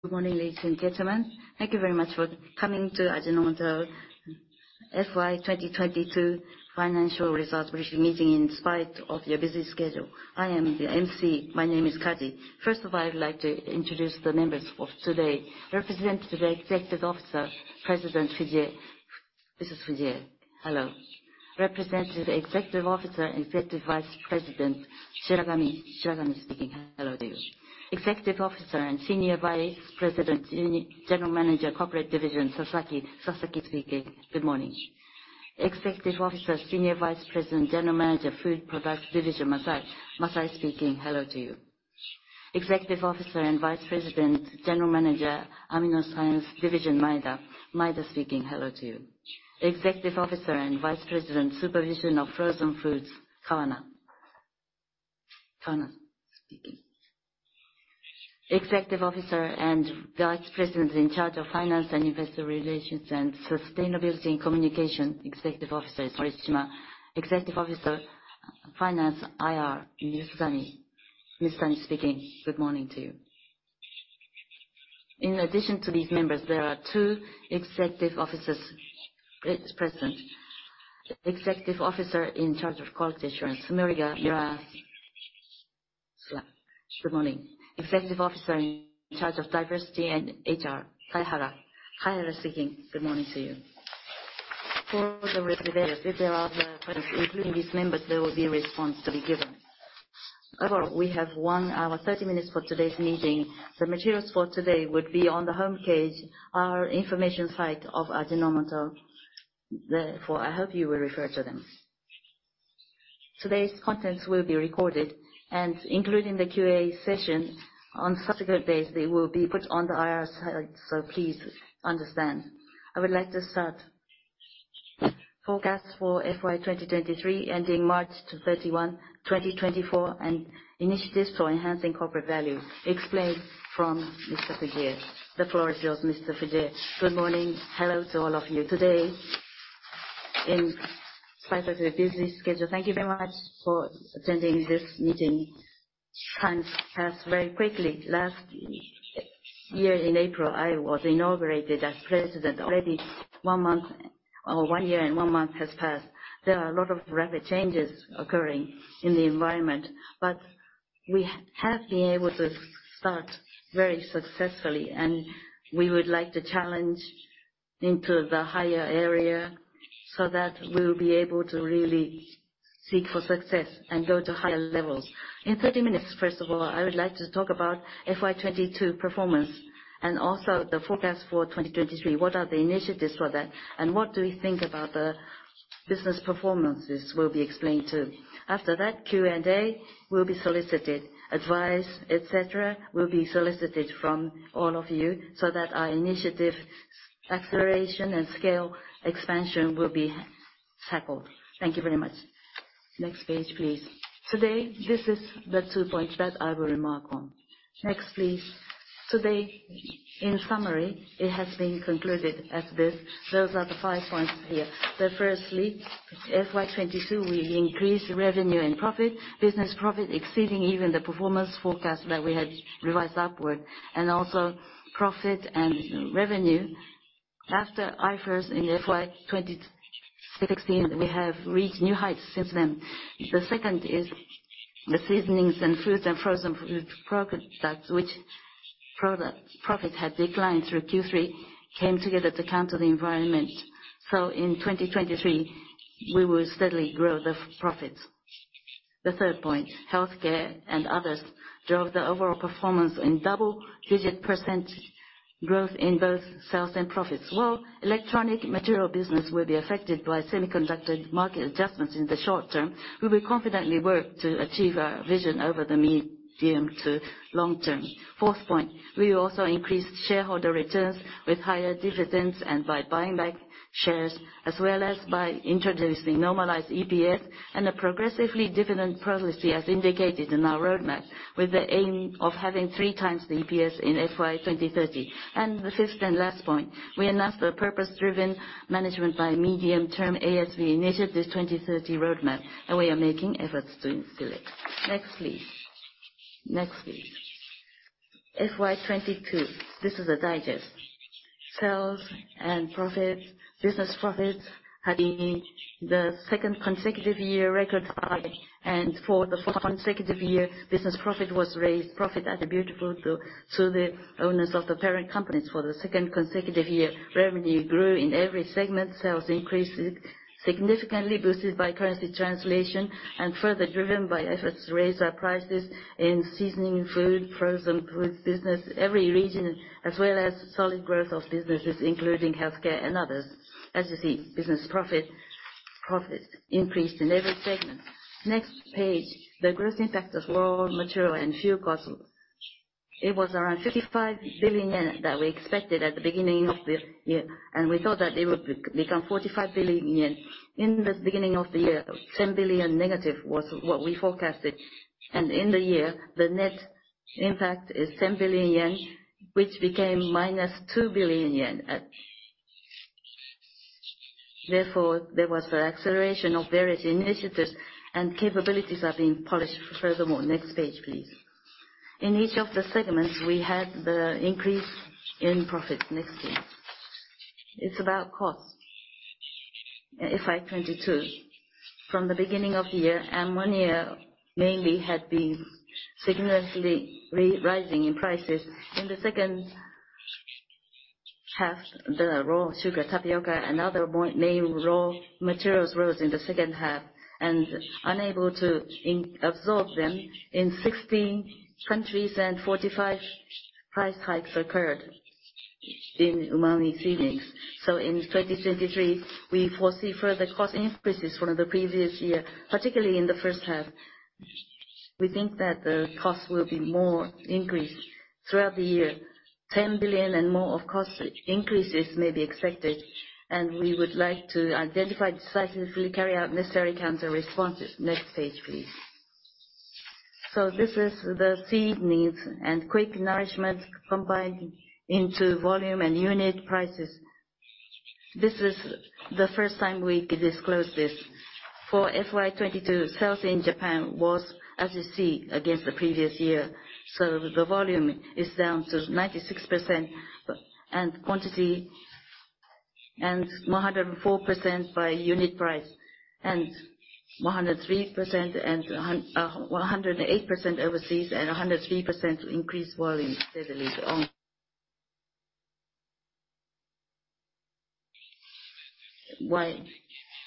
Good morning, ladies and gentlemen. Thank you very much for coming to Ajinomoto FY 2022 financial results briefing meeting in spite of your busy schedule. I am the MC. My name is Kaji. First of all, I would like to introduce the members of today. Representative Executive Officer, President Fujie. This is Fujie. Hello. Representative Executive Officer, Executive Vice President Shiragami. Shiragami speaking. Hello to you. Executive Officer and Senior Vice President, General Manager, Corporate Division Sasaki. Sasaki speaking. Good morning. Executive Officer, Senior Vice President, General Manager, Food Products Division Masai. Masai speaking. Hello to you. Executive Officer and Vice President, General Manager, AminoScience Division Maeda. Maeda speaking. Hello to you. Executive Officer and Vice President, Supervision of Frozen Foods Kawana. Kawana speaking. Executive Officer and Vice President in charge of Finance and Investor Relations and Sustainability and Communication, Executive Officer Horishima. Executive Officer, Finance IR Mizutani. Mizutani speaking. Good morning to you. In addition to these members, there are two executive officers present. Executive Officer in charge of Quality Assurance Sumigaura. Good morning. Executive Officer in charge of Diversity and HR Kaihara. Kaihara speaking. Good morning to you. For the rest of the day, if there are other points, including these members, there will be a response to be given. However, we have one hour 30 minutes for today's meeting. The materials for today would be on the homepage, our information site of Ajinomoto. Therefore, I hope you will refer to them. Today's contents will be recorded and including the Q&A session. On subsequent days, they will be put on the IR site, so please understand. I would like to start. Forecast for FY 2023, ending March 31, 2024, and initiatives for enhancing corporate value. Explain from Mr. Fujie. The floor is yours, Mr. Fujie. Good morning. Hello to all of you. Today, in spite of your busy schedule, thank you very much for attending this meeting. Time has passed very quickly. Last year in April, I was inaugurated as president. Already one year and one month has passed. There are a lot of rapid changes occurring in the environment, but we have been able to start very successfully, and we would like to challenge into the higher area so that we'll be able to really seek for success and go to higher levels. In 30 minutes, first of all, I would like to talk about FY 2022 performance and also the forecast for 2023. What are the initiatives for that, and what do we think about the business performances will be explained, too. After that, Q&A will be solicited. Advice, et cetera, will be solicited from all of you so that our initiative acceleration and scale expansion will be tackled. Thank you very much. Next page, please. Today, this is the two points that I will remark on. Next, please. Today, in summary, it has been concluded as this. Those are the five points here. First, FY 2022, we increased revenue and profit, business profit exceeding even the performance forecast that we had revised upward. Profit and revenue after IFRS in FY 2016, we have reached new heights since then. Second, the seasonings and foods and frozen food products, which profits had declined through Q3, came together to counter the environment. In 2023, we will steadily grow the profits. Third point, healthcare and others drove the overall performance in double-digit % growth in both sales and profits. While electronic material business will be affected by semiconductor market adjustments in the short term, we will confidently work to achieve our vision over the medium to long term. Fourth point, we will also increase shareholder returns with higher dividends and by buying back shares, as well as by introducing Normalized EPS and a progressively dividend policy as indicated in our roadmap, with the aim of having three times the EPS in FY 2030. The fifth and last point, we announced a purpose-driven management by medium-term ASV initiatives 2030 roadmap, and we are making efforts to instill it. Next, please. Next, please. FY 2022, this is a digest. Sales and profit, business profit having the second consecutive year record high, and for the fourth consecutive year, business profit was raised. Profit attributable to the owners of the parent companies for the second consecutive year. Revenue grew in every segment. Sales increased, significantly boosted by currency translation and further driven by efforts to raise our prices in seasoning, food, frozen foods business, every region, as well as solid growth of businesses, including healthcare and others. As you see, profits increased in every segment. Next page, the gross impact of raw material and fuel costs. It was around 55 billion yen that we expected at the beginning of the year, we thought that it would become 45 billion yen. In the beginning of the year, 10 billion negative was what we forecasted. In the year, the net impact is 10 billion yen, which became -2 billion yen. Therefore, there was the acceleration of various initiatives and capabilities are being polished furthermore. Next page, please. In each of the segments, we had the increase in profit. Next, please. It's about cost. In FY 2022, from the beginning of the year, ammonia mainly had been significantly re-rising in prices. In the second half, the raw sugar, tapioca, and other main raw materials rose in the second half, and unable to in-absorb them. In 16 countries, 45 price hikes occurred in Umami Seasonings. In 2023, we foresee further cost increases from the previous year, particularly in the first half. We think that the cost will be more increased throughout the year. 10 billion and more of cost increases may be expected. We would like to identify decisively carry out necessary counter responses. Next page, please. This is the seed needs and quick nourishment combined into volume and unit prices. This is the first time we could disclose this. For FY 2022, sales in Japan was as you see against the previous year. The volume is down to 96% and quantity, and 104% by unit price, and 103% and 108% overseas, and 103% increased volume steadily on.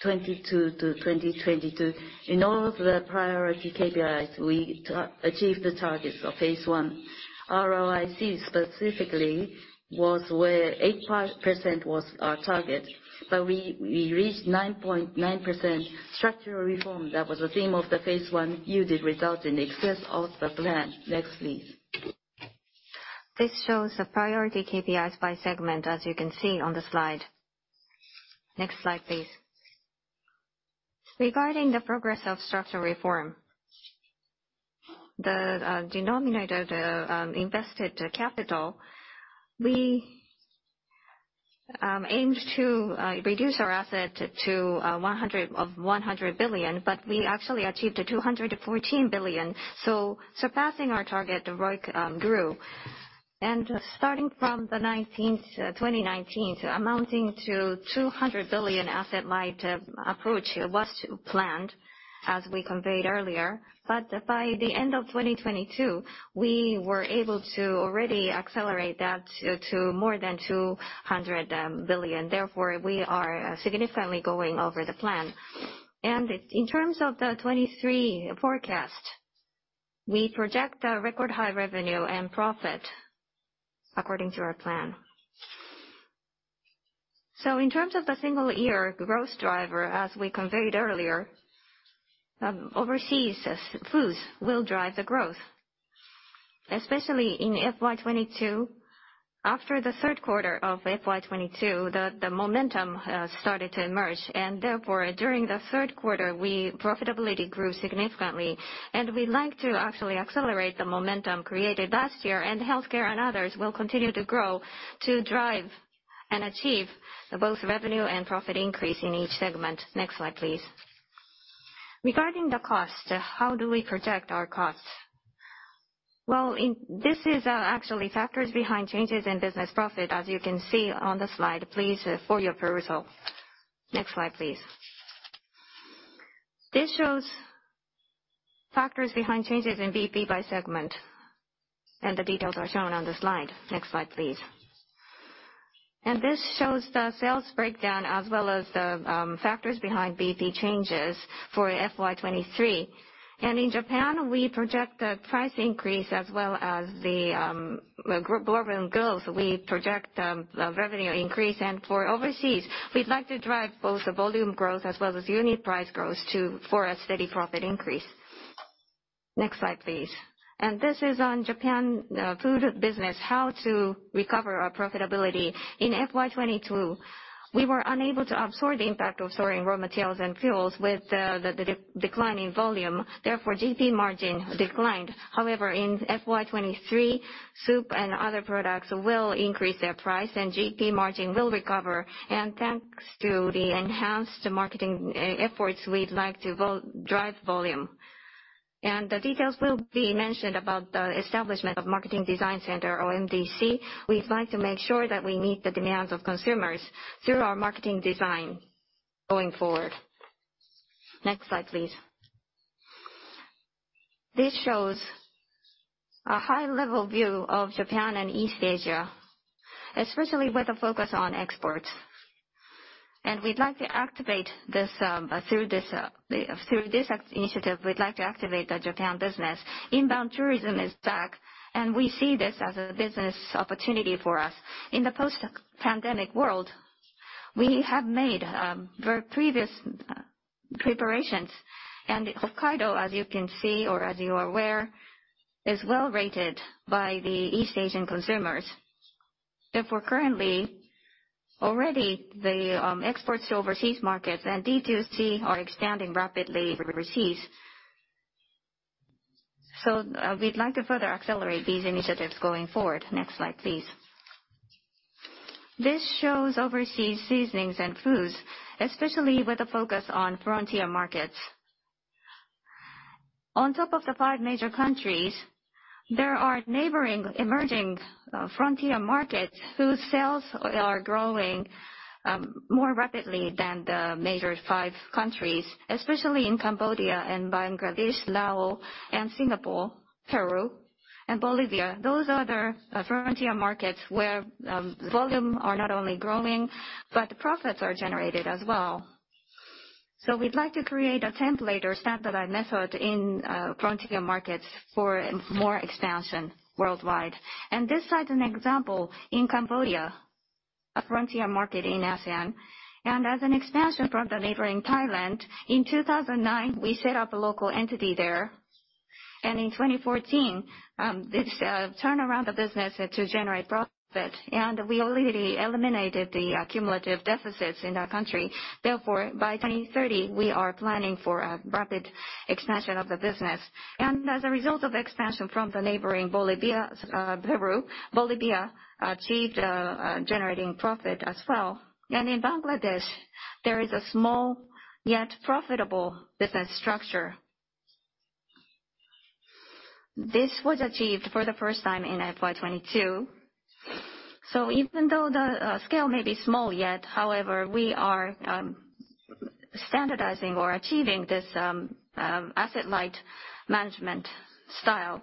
FY 2022-2022. In all of the priority KPIs, we achieved the targets of phase I. ROIC specifically was where eight point % was our target, but we reached 9.9% structural reform. That was the theme of the phase I yielded result in excess of the plan. Next, please. This shows the priority KPIs by segment, as you can see on the slide. Next slide, please. Regarding the progress of structural reform, the denominator, the invested capital, we aimed to reduce our asset to 100 of 100 billion, but we actually achieved 214 billion. Surpassing our target, the ROIC grew. Starting from 2019, so amounting to 200 billion asset-light approach was planned, as we conveyed earlier. By the end of 2022, we were able to already accelerate that to more than 200 billion. Therefore, we are significantly going over the plan. In terms of the 2023 forecast, we project a record high revenue and profit according to our plan. In terms of the single year growth driver, as we conveyed earlier, overseas s-foods will drive the growth. Especially in FY 2022, after the third quarter of FY 2022, the momentum started to emerge, and therefore, during the third quarter, we profitability grew significantly. We'd like to actually accelerate the momentum created last year, and healthcare and others will continue to grow to drive and achieve both revenue and profit increase in each segment. Next slide, please. Regarding the cost, how do we project our costs? This is actually factors behind changes in business profit, as you can see on the slide, please, for your perusal. Next slide, please. This shows factors behind changes in BP by segment, and the details are shown on the slide. Next slide, please. This shows the sales breakdown as well as the factors behind BP changes for FY 2023. In Japan, we project a price increase as well as the group volume growth. We project the revenue increase. For overseas, we'd like to drive both the volume growth as well as unit price growth for a steady profit increase. Next slide, please. This is on Japan, food business, how to recover our profitability. In FY 2022, we were unable to absorb the impact of soaring raw materials and fuels with the decline in volume, therefore, GP margin declined. However, in FY 2023, soup and other products will increase their price, and GP margin will recover. Thanks to the enhanced marketing efforts, we'd like to drive volume. The details will be mentioned about the establishment of Marketing Design Center or MDC. We'd like to make sure that we meet the demands of consumers through our marketing design going forward. Next slide, please. This shows a high level view of Japan and East Asia, especially with a focus on exports. We'd like to activate this, through this initiative, we'd like to activate the Japan business. Inbound tourism is back, and we see this as a business opportunity for us. In the post-pandemic world, we have made previous preparations. Hokkaido, as you can see or as you are aware, is well-rated by the East Asian consumers. Therefore, currently, already the exports to overseas markets and D2C are expanding rapidly overseas. We'd like to further accelerate these initiatives going forward. Next slide, please. This shows overseas seasonings and foods, especially with a focus on frontier markets. On top of the five major countries, there are neighboring emerging, frontier markets whose sales are growing more rapidly than the major five countries, especially in Cambodia and Bangladesh, Laos and Singapore, Peru and Bolivia. Those are the frontier markets where volume are not only growing, but profits are generated as well. We'd like to create a template or standardized method in frontier markets for more expansion worldwide. This slide's an example. In Cambodia, a frontier market in ASEAN, and as an expansion from the neighboring Thailand, in 2009, we set up a local entity there. In 2014, this turned around the business to generate profit, and we already eliminated the cumulative deficits in that country. Therefore, by 2030, we are planning for a rapid expansion of the business. As a result of expansion from the neighboring Bolivia, Peru, Bolivia achieved generating profit as well. In Bangladesh, there is a small, yet profitable business structure. This was achieved for the first time in FY 2022. Even though the scale may be small, yet, however, we are standardizing or achieving this asset light management style.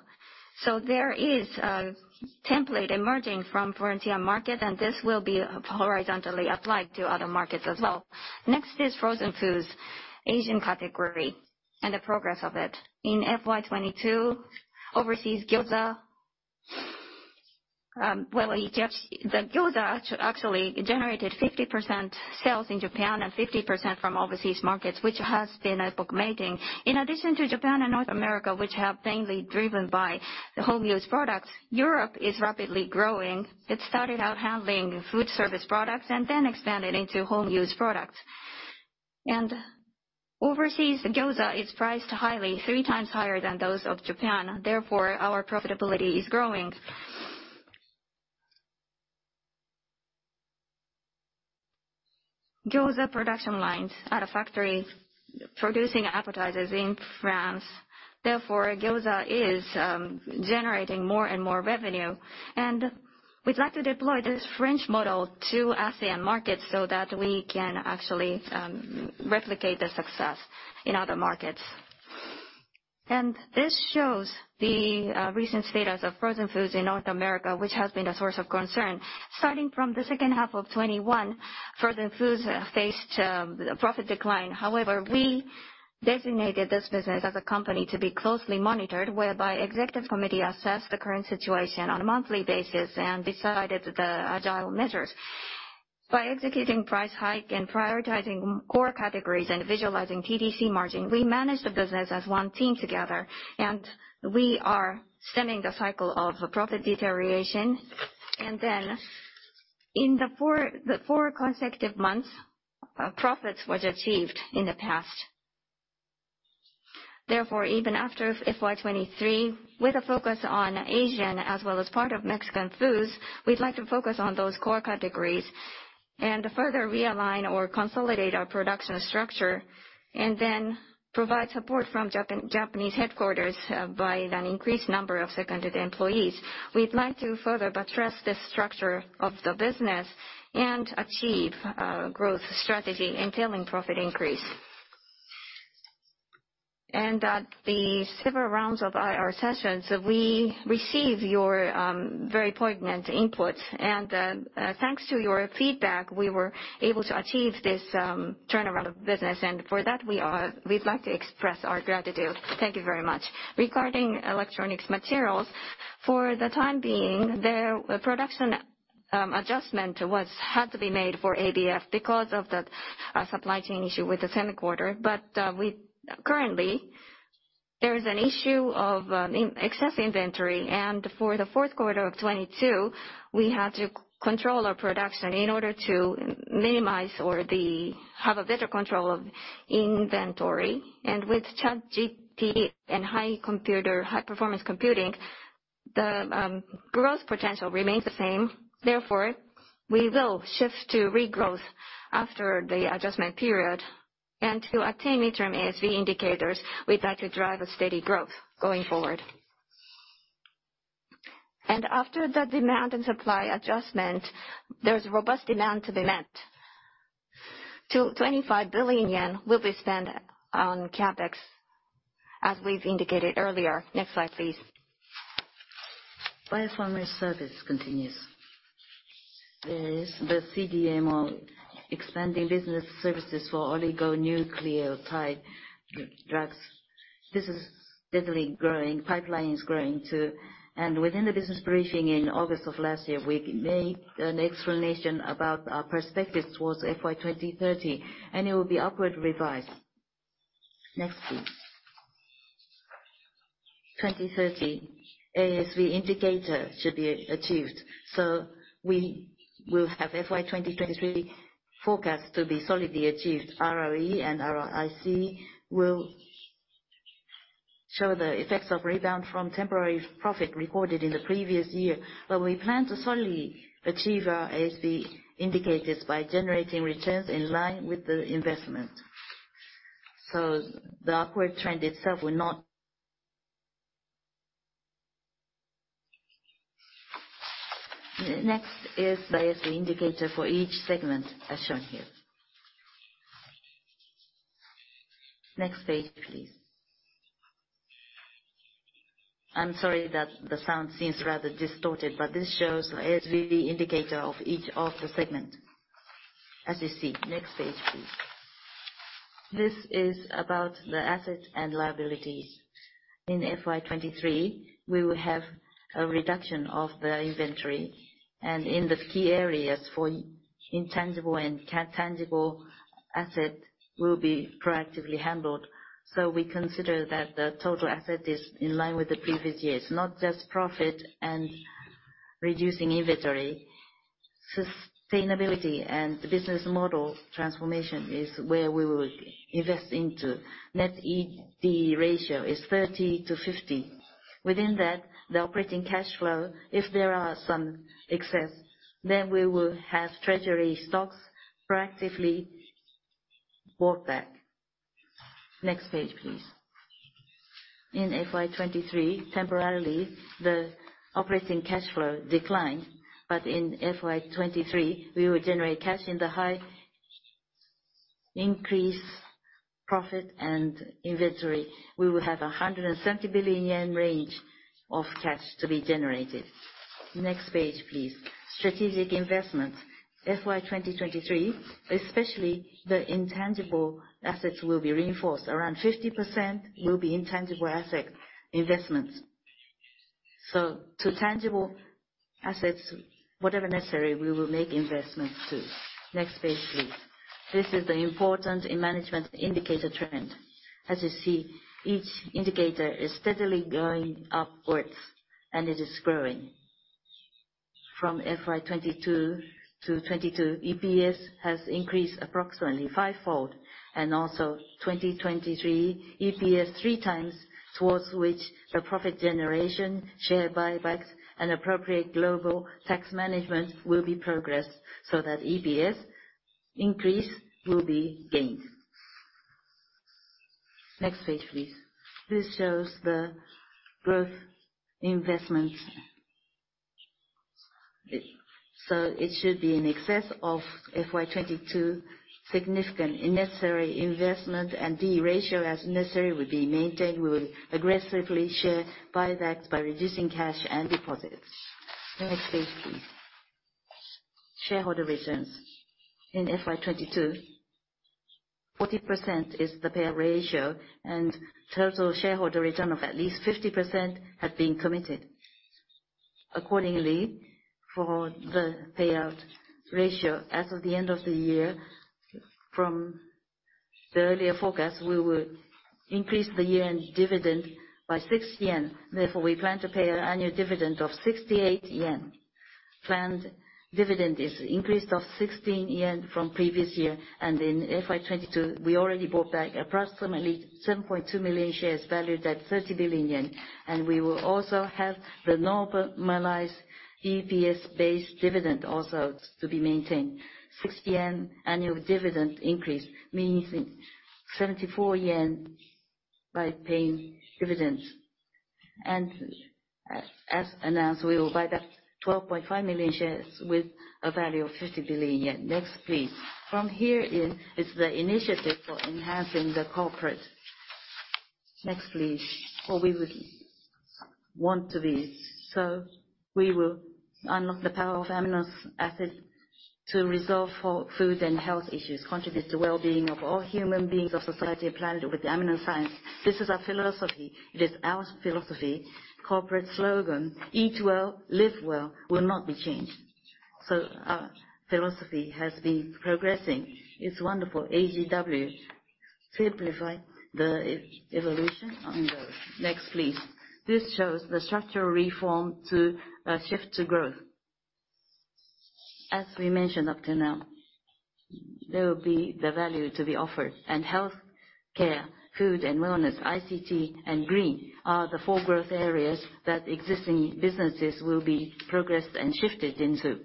There is a template emerging from frontier market, and this will be horizontally applied to other markets as well. Next is frozen foods, Asian category and the progress of it. In FY 2022, overseas gyoza, well, The gyoza actually generated 50% sales in Japan and 50% from overseas markets, which has been a book mating. In addition to Japan and North America, which have been mainly driven by the home use products, Europe is rapidly growing. It started out handling food service products and then expanded into home use products. Overseas gyoza is priced highly, three times higher than those of Japan. Therefore, our profitability is growing. Gyoza production lines at a factory producing appetizers in France. Therefore, gyoza is generating more and more revenue. We'd like to deploy this French model to ASEAN markets so that we can actually replicate the success in other markets. This shows the recent status of frozen foods in North America, which has been a source of concern. Starting from the second half of 21, frozen foods faced profit decline. We designated this business as a company to be closely monitored, whereby executive committee assessed the current situation on a monthly basis and decided the agile measures. By executing price hike and prioritizing core categories and visualizing TDC margin, we managed the business as one team together, and we are stemming the cycle of profit deterioration. In the four consecutive months, profits was achieved in the past. Even after FY 2023, with a focus on Asian as well as part of Mexican foods, we'd like to focus on those core categories and further realign or consolidate our production structure and then provide support from Japan-Japanese headquarters by an increased number of seconded employees. We'd like to further buttress the structure of the business and achieve growth strategy entailing profit increase. At the several rounds of IR sessions, we receive your very poignant input. Thanks to your feedback, we were able to achieve this turnaround of business. For that we'd like to express our gratitude. Thank you very much. Regarding electronics materials, for the time being, the production adjustment was had to be made for ABF because of the supply chain issue with the semiconductor. Currently there is an issue of excess inventory. For the fourth quarter of 2022, we had to control our production in order to minimize or have a better control of inventory. With ChatGPT and high-performance computing, the growth potential remains the same. Therefore, we will shift to regrowth after the adjustment period. To attain midterm ASV indicators, we'd like to drive a steady growth going forward. After the demand and supply adjustment, there's robust demand to be met. 25 billion yen will be spent on CapEx, as we've indicated earlier. Next slide, please. Biopharmaceutical service continues. There is the CDMO expanding business services for oligonucleotide drugs. This is steadily growing. Pipeline is growing too. Within the business briefing in August of last year, we made an explanation about our perspective towards FY 2030, and it will be upward revised. Next, please. 2030 ASV indicator should be achieved. We will have FY 2023 forecast to be solidly achieved. ROE and ROIC will show the effects of rebound from temporary profit recorded in the previous year. We plan to solidly achieve our ASV indicators by generating returns in line with the investment. The upward trend itself will not... Next is the ASV indicator for each segment as shown here. Next page, please. I'm sorry that the sound seems rather distorted, but this shows the ASV indicator of each of the segment. As you see. Next page, please. This is about the assets and liabilities. In FY 2023, we will have a reduction of the inventory, and in the key areas for intangible and tangible asset will be proactively handled. We consider that the total asset is in line with the previous years, not just profit and reducing inventory. Sustainability and Business Model Transformation is where we will invest into. Net ED ratio is 30%-50%. Within that, the operating cash flow, if there are some excess, we will have treasury stocks proactively bought back. Next page, please. In FY 2023, temporarily, the operating cash flow declined, in FY 2023, we will generate cash in the high increase profit and inventory. We will have a 170 billion yen range of cash to be generated. Next page, please. Strategic investment. FY 2023, especially the intangible assets will be reinforced. Around 50% will be intangible asset investments. To tangible assets, whatever necessary, we will make investments too. Next page, please. This is the important management indicator trend. As you see, each indicator is steadily going upwards, and it is growing. From FY 2022-2022, EPS has increased approximately five-fold. 2023, EPS three times towards which the profit generation, share buybacks, and appropriate global tax management will be progressed so that EPS increase will be gained. Next page, please. This shows the growth investment. It should be in excess of FY 2022. Significant and necessary investment and D ratio as necessary will be maintained. We will aggressively share buybacks by reducing cash and deposits. Next page, please. Shareholder returns. In FY 2022, 40% is the payout ratio and total shareholder return of at least 50% have been committed. Accordingly, for the payout ratio, as of the end of the year, from the earlier forecast, we will increase the year-end dividend by 6 yen. Therefore, we plan to pay an annual dividend of 68 yen. Planned dividend is increased of 16 yen from previous year. In FY 2022, we already bought back approximately 7.2 million shares valued at 30 billion yen. We will also have the Normalized EPS-based dividend also to be maintained. 6 yen annual dividend increase, meaning 74 yen by paying dividends. As announced, we will buy back 12.5 million shares with a value of 50 billion yen. Next, please. From here in, it's the initiative for enhancing the corporate. Next, please. What we would want to be. We will unlock the power of AminoScience assets to resolve for food and health issues, contribute to well-being of all human beings, of society, planet with AminoScience. This is our philosophy. It is our philosophy. Corporate slogan, "Eat well, live well," will not be changed. Our philosophy has been progressing. It's wonderful. AGW simplify the e-evolution on those. Next, please. This shows the structural reform to shift to growth. As we mentioned up to now, there will be the value to be offered. Healthcare, food and wellness, ICT, and green are the four growth areas that existing businesses will be progressed and shifted into.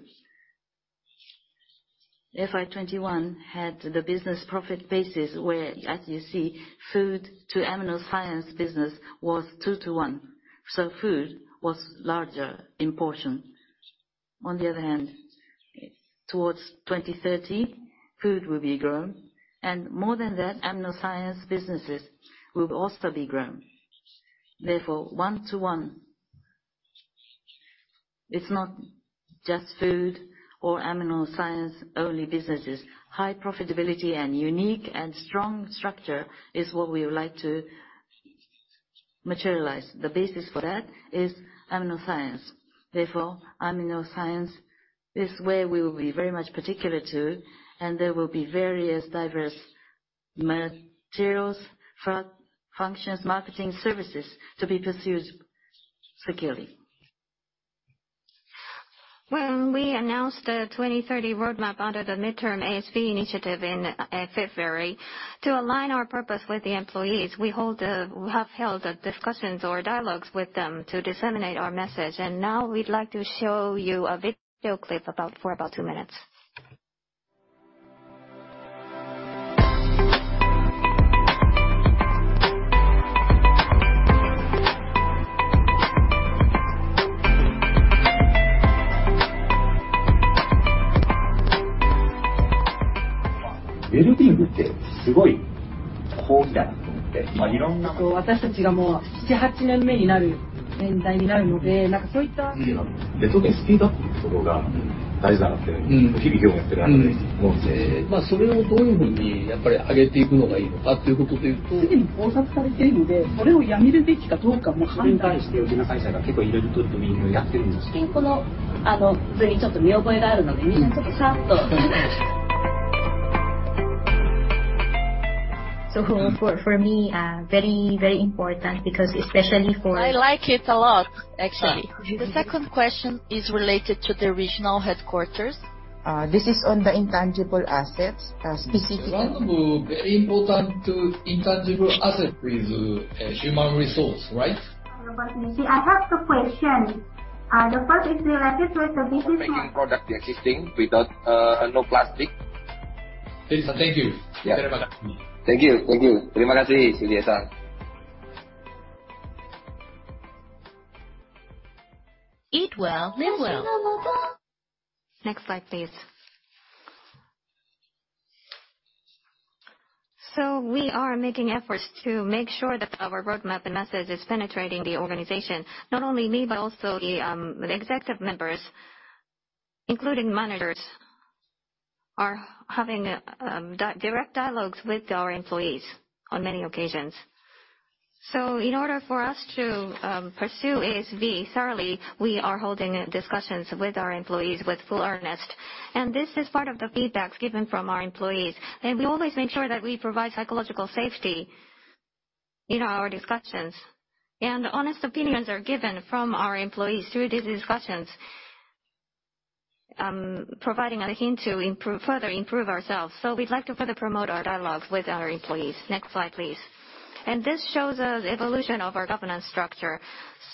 FY 2021 had the business profit basis where, as you see, food to AminoScience business was two to one, so food was larger in portion. On the other hand, towards 2030, food will be grown. More than that, AminoScience businesses will also be grown. One to one. It's not just food or AminoScience only businesses. High profitability and unique and strong structure is what we would like to materialize. The basis for that is AminoScience. AminoScience, this way we will be very much particular to, and there will be various diverse materials, functions, marketing services to be pursued securely. When we announced the 2030 roadmap under the midterm ASV initiative in February, to align our purpose with the employees, we have held discussions or dialogues with them to disseminate our message. Now we'd like to show you a video clip about, for about two minutes. For me, very important because especially for- I like it a lot actually. Sorry. The second question is related to the regional headquarters. This is on the intangible assets. One of the very important to intangible asset is, human resource, right? I have two questions. The first is related to the business. Making product existing without, no plastic. Thank you. Thank you. Thank you. Next slide, please. We are making efforts to make sure that our roadmap and message is penetrating the organization. Not only me, but also the executive members, including managers, are having direct dialogues with our employees on many occasions. In order for us to pursue ASV thoroughly, we are holding discussions with our employees with full earnest. This is part of the feedbacks given from our employees. We always make sure that we provide psychological safety in our discussions. Honest opinions are given from our employees through these discussions, providing a hint to further improve ourselves. We'd like to further promote our dialogues with our employees. Next slide, please. This shows the evolution of our governance structure.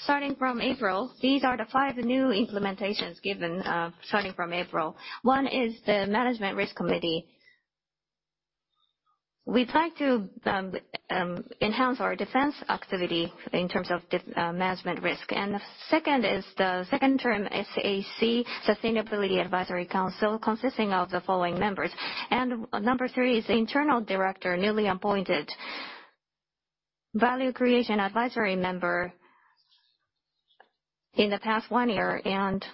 Starting from April, these are the five new implementations given starting from April. One is the management risk committee. We'd like to enhance our defense activity in terms of this management risk. Second is the second term SAC, Sustainability Advisory Council, consisting of the following members. Number three is internal director, newly appointed. Value creation advisory member in the past one year and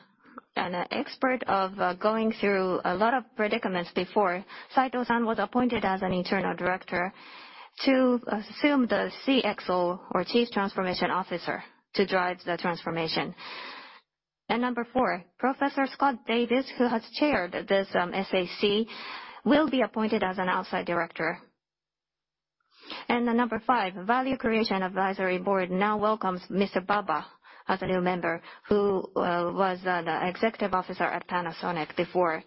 an expert of going through a lot of predicaments before, Saito was appointed as an internal director to assume the CXO or Chief Transformation Officer to drive the transformation. Number four, Professor Scott Davis, who has chaired this SAC, will be appointed as an outside director. Number five, Value Creation Advisory Board now welcomes Mr. Baba as a new member, who was the Executive Officer at Panasonic before.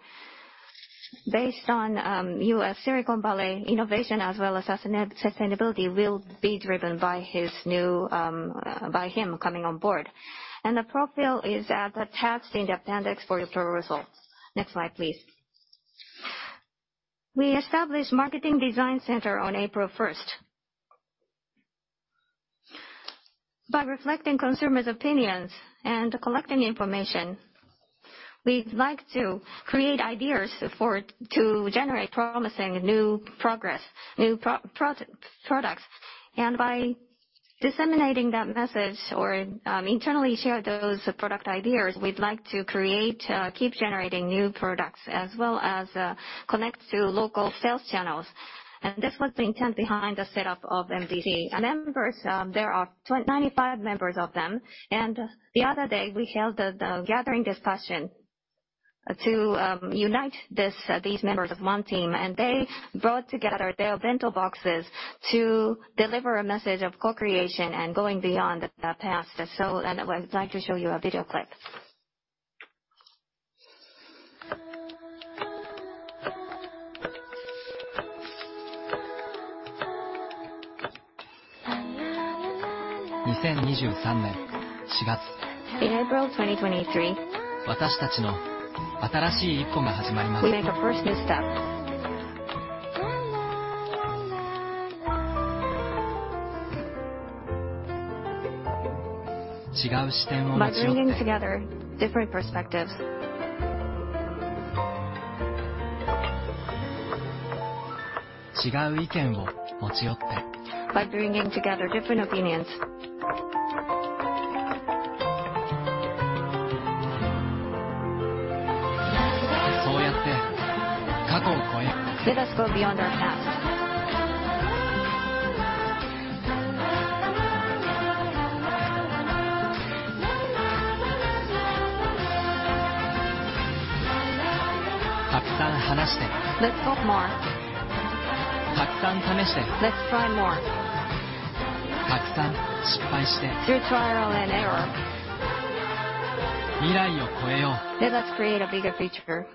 Based on U.S. Silicon Valley innovation as well as sustainability will be driven by him coming on board. The profile is attached in the appendix for your perusal. Next slide, please. We established Marketing Design Center on April 1st. By reflecting consumers' opinions and collecting information, we'd like to create ideas to generate promising new progress, new products. By disseminating that message or internally share those product ideas, we'd like to create, keep generating new products as well as connect to local sales channels. This was the intent behind the setup of MDC. Members, there are 95 members of them. The other day we held the gathering discussion to unite these members as one team, and they brought together their bento boxes to deliver a message of co-creation and going beyond the past. We'd like to show you a video clip. In April 2023. We make our first new step. By bringing together different perspectives. By bringing together different opinions. Let us go beyond our past. Let's talk more. Let's try more. Through trial and error. Let us create a bigger future.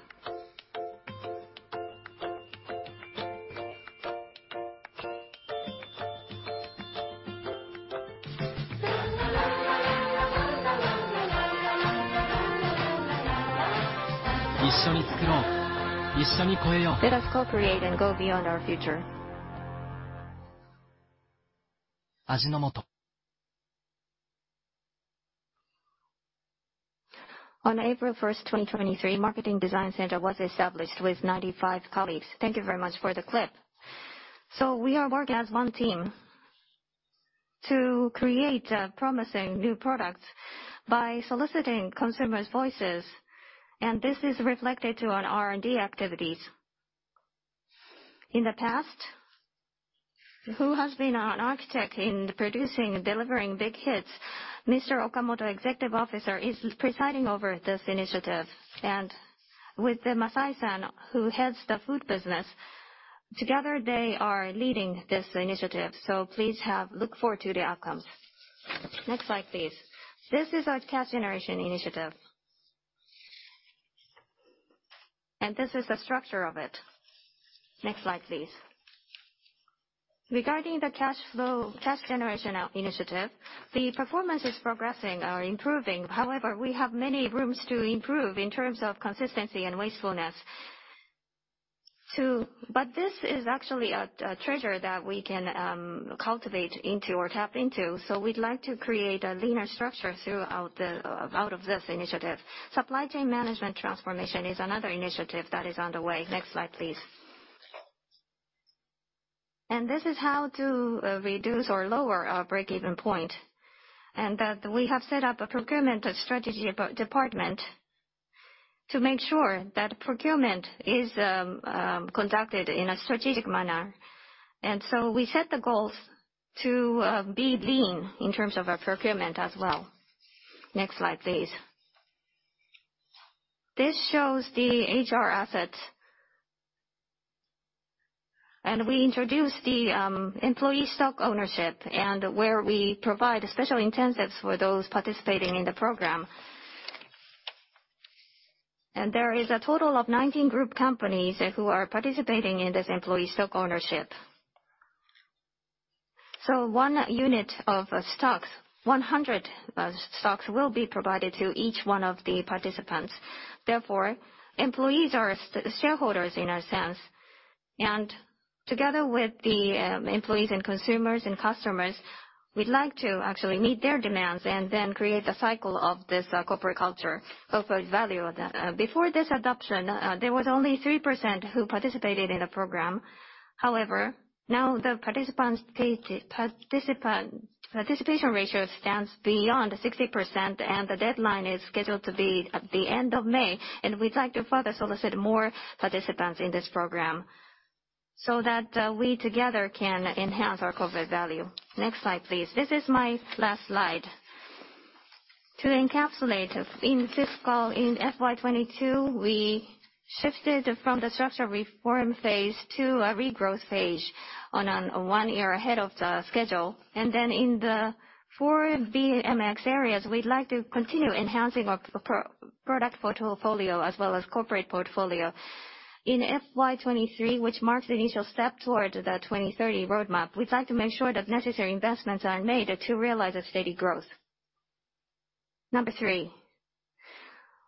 Let us co-create and go beyond our future. On April 1, 2023, Marketing Design Center was established with 95 colleagues. Thank you very much for the clip. We are working as one team to create promising new products by soliciting consumers' voices, and this is reflected to our R&D activities. In the past, who has been an architect in producing and delivering big hits, Mr. Okamoto, Executive Officer, is presiding over this initiative. With the Masai San, who heads the food business, together they are leading this initiative, so please have look forward to the outcomes. Next slide, please. This is our cash generation initiative. This is the structure of it. Next slide, please. Regarding the cash flow, cash generation initiative, the performance is progressing or improving. However, we have many rooms to improve in terms of consistency and wastefulness. This is actually a treasure that we can cultivate into or tap into, so we'd like to create a leaner structure throughout. Out of this initiative. Supply chain management transformation is another initiative that is underway. Next slide, please. This is how to reduce or lower our break-even point. We have set up a procurement strategy department to make sure that procurement is conducted in a strategic manner. We set the goals to be lean in terms of our procurement as well. Next slide, please. This shows the HR assets. We introduced the employee stock ownership and where we provide special incentives for those participating in the program. There is a total of 19 group companies who are participating in this employee stock ownership. 1 unit of stocks, 100 stocks will be provided to each one of the participants. Therefore, employees are shareholders in a sense. Together with the employees and consumers and customers, we'd like to actually meet their demands and then create a cycle of this corporate culture, corporate value. Before this adoption, there was only 3% who participated in the program. However, now the participation ratio stands beyond 60%, and the deadline is scheduled to be at the end of May. We'd like to further solicit more participants in this program so that we together can enhance our corporate value. Next slide, please. This is my last slide. To encapsulate, in FY 2022, we shifted from the structure reform phase to a regrowth phase one year ahead of the schedule. In the four BMX areas, we'd like to continue enhancing our product portfolio as well as corporate portfolio. In FY 2023, which marks the initial step towards the 2030 roadmap, we'd like to make sure that necessary investments are made to realize a steady growth. Number three,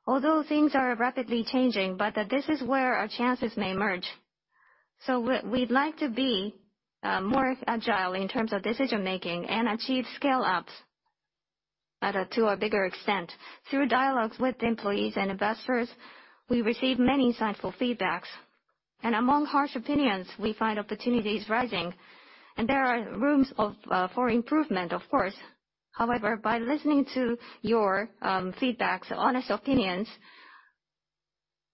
although things are rapidly changing, but this is where our chances may emerge. We'd like to be more agile in terms of decision-making and achieve scale-ups to a bigger extent. Through dialogues with employees and investors, we receive many insightful feedbacks. Among harsh opinions, we find opportunities rising. There are rooms of for improvement, of course. However, by listening to your feedbacks, honest opinions,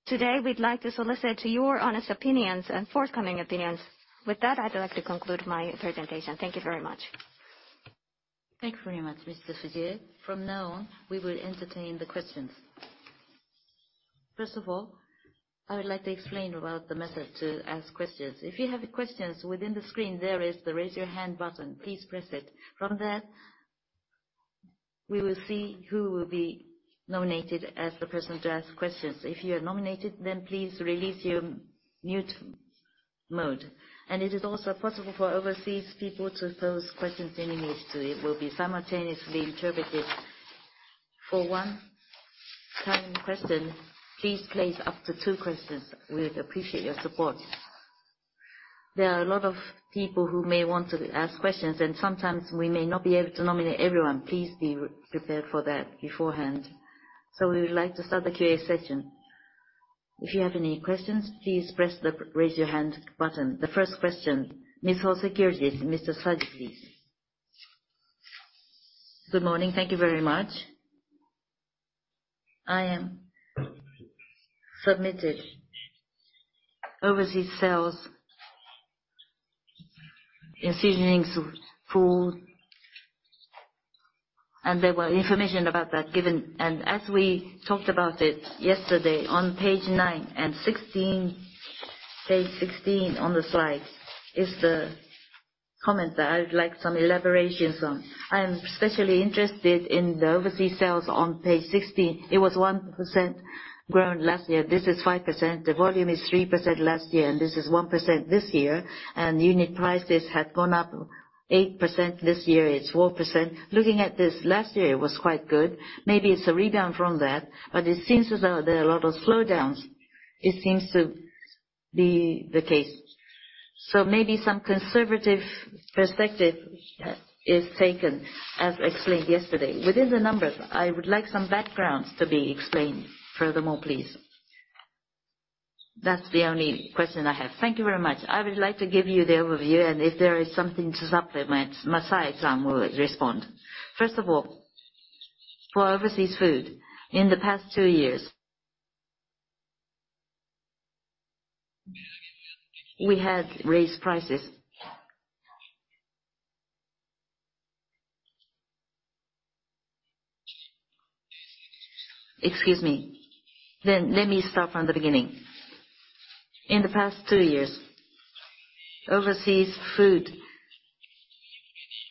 today we'd like to solicit to your honest opinions and forthcoming opinions. With that, I'd like to conclude my presentation. Thank you very much. Thank you very much, Mr. Fujie. From now on, we will entertain the questions. First of all, I would like to explain about the method to ask questions. If you have questions, within the screen there is the Raise Your Hand button. Please press it. From there, we will see who will be nominated as the person to ask questions. If you are nominated, please release your mute mode. It is also possible for overseas people to pose questions in English, it will be simultaneously interpreted. For one time question, please place up to two questions. We would appreciate your support. There are a lot of people who may want to ask questions, sometimes we may not be able to nominate everyone. Please be prepared for that beforehand. We would like to start the Q&A session. If you have any questions, please press the Raise Your Hand button. The first question, Mita Securities, Mr. Saji, please. Good morning. Thank you very much. I am submitted overseas sales in seasonings, food. There were information about that given. As we talked about it yesterday on page nine and 16, page 16 on the slide is the comment that I would like some elaborations on. I am especially interested in the overseas sales on page 16. It was 1% grown last year. This is 5%. The volume is 3% last year, and this is 1% this year. Unit prices had gone up 8% this year, it's 4%. Looking at this last year, it was quite good. Maybe it's a rebound from that, but it seems as though there are a lot of slowdowns. It seems to be the case. Maybe some conservative perspective is taken, as explained yesterday. Within the numbers, I would like some backgrounds to be explained furthermore, please. That's the only question I have. Thank you very much. I would like to give you the overview, and if there is something to supplement, Masai-san will respond. First of all, for overseas food, in the past two years, we had raised prices. Excuse me. Let me start from the beginning. In the past two years, overseas food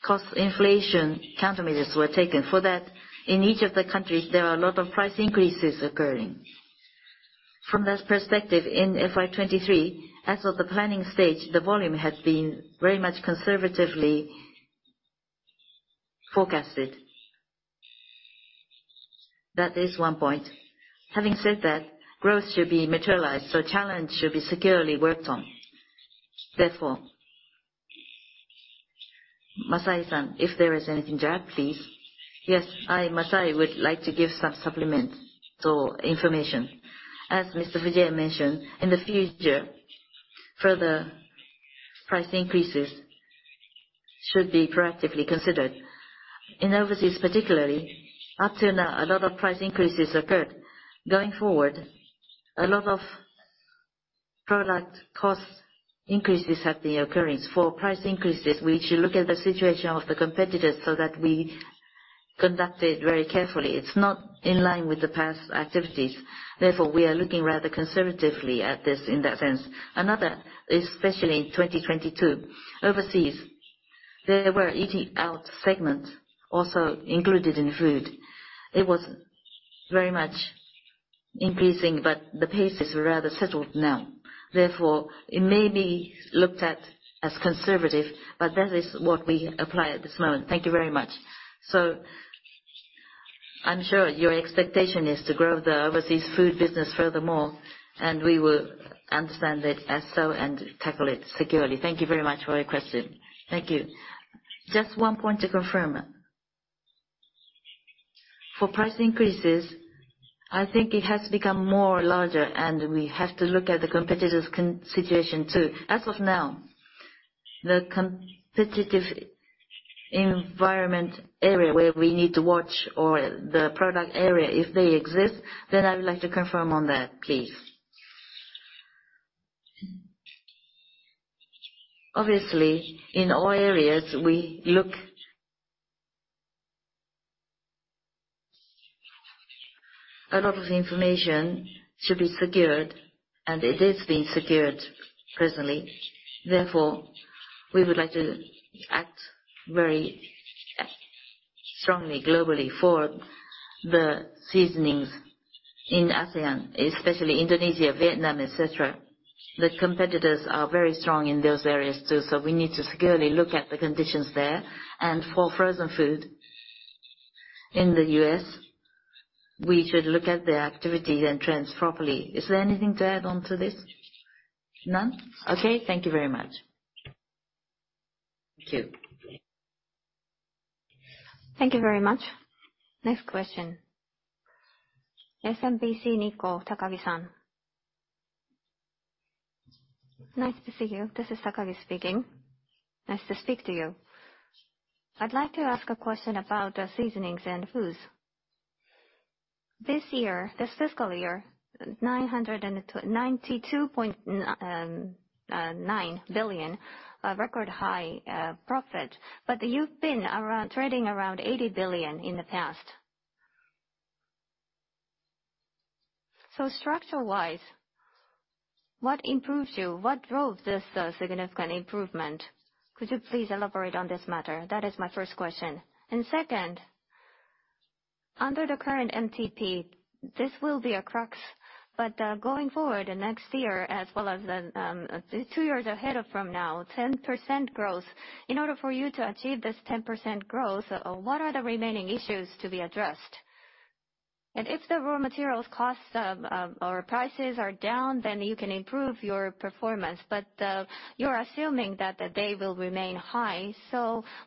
cost inflation countermeasures were taken. For that, in each of the countries, there are a lot of price increases occurring. From this perspective, in FY 2023, as of the planning stage, the volume had been very much conservatively forecasted. That is one point. Having said that, growth should be materialized, so challenge should be securely worked on. Masaya-san, if there is anything to add, please. Yes. I, Masaya, would like to give some supplements or information. As Mr. Fujii mentioned, in the future, further price increases should be proactively considered. In overseas particularly, up to now, a lot of price increases occurred. Going forward, a lot of product cost increases have been occurring. For price increases, we should look at the situation of the competitors so that we conduct it very carefully. It's not in line with the past activities. Therefore, we are looking rather conservatively at this in that sense. Another, especially in 2022, overseas, there were eating out segment also included in food. It was very much increasing, but the pace is rather settled now. Therefore, it may be looked at as conservative, but that is what we apply at this moment. Thank you very much. I'm sure your expectation is to grow the overseas food business furthermore, and we will understand it as so and tackle it securely. Thank you very much for your question. Thank you. Just one point to confirm. For price increases, I think it has become more larger, and we have to look at the competitive situation too. As of now, the competitive environment area where we need to watch, or the product area, if they exist, then I would like to confirm on that, please. Obviously, in all areas, a lot of information should be secured, and it is being secured presently. Therefore, we would like to act very strongly globally for the seasonings in ASEAN, especially Indonesia, Vietnam, et cetera. The competitors are very strong in those areas too, so we need to securely look at the conditions there. For frozen food in the U.S., we should look at the activity and trends properly. Is there anything to add on to this? None? Okay, thank you very much. Thank you. Thank you very much. Next question. SMBC Nikko, Takagi-san. Nice to see you. This is Takagi speaking. Nice to speak to you. I'd like to ask a question about the seasonings and foods. This year, this fiscal year, 992.9 billion, a record high profit. You've been around, trading around 80 billion in the past. Structure-wise, what improves you? What drove this significant improvement? Could you please elaborate on this matter? That is my first question. Second, under the current MTP, this will be a crux. Going forward next year, as well as, two years ahead of from now, 10% growth. In order for you to achieve this 10% growth, what are the remaining issues to be addressed? If the raw materials costs, or prices are down, then you can improve your performance. You're assuming that they will remain high.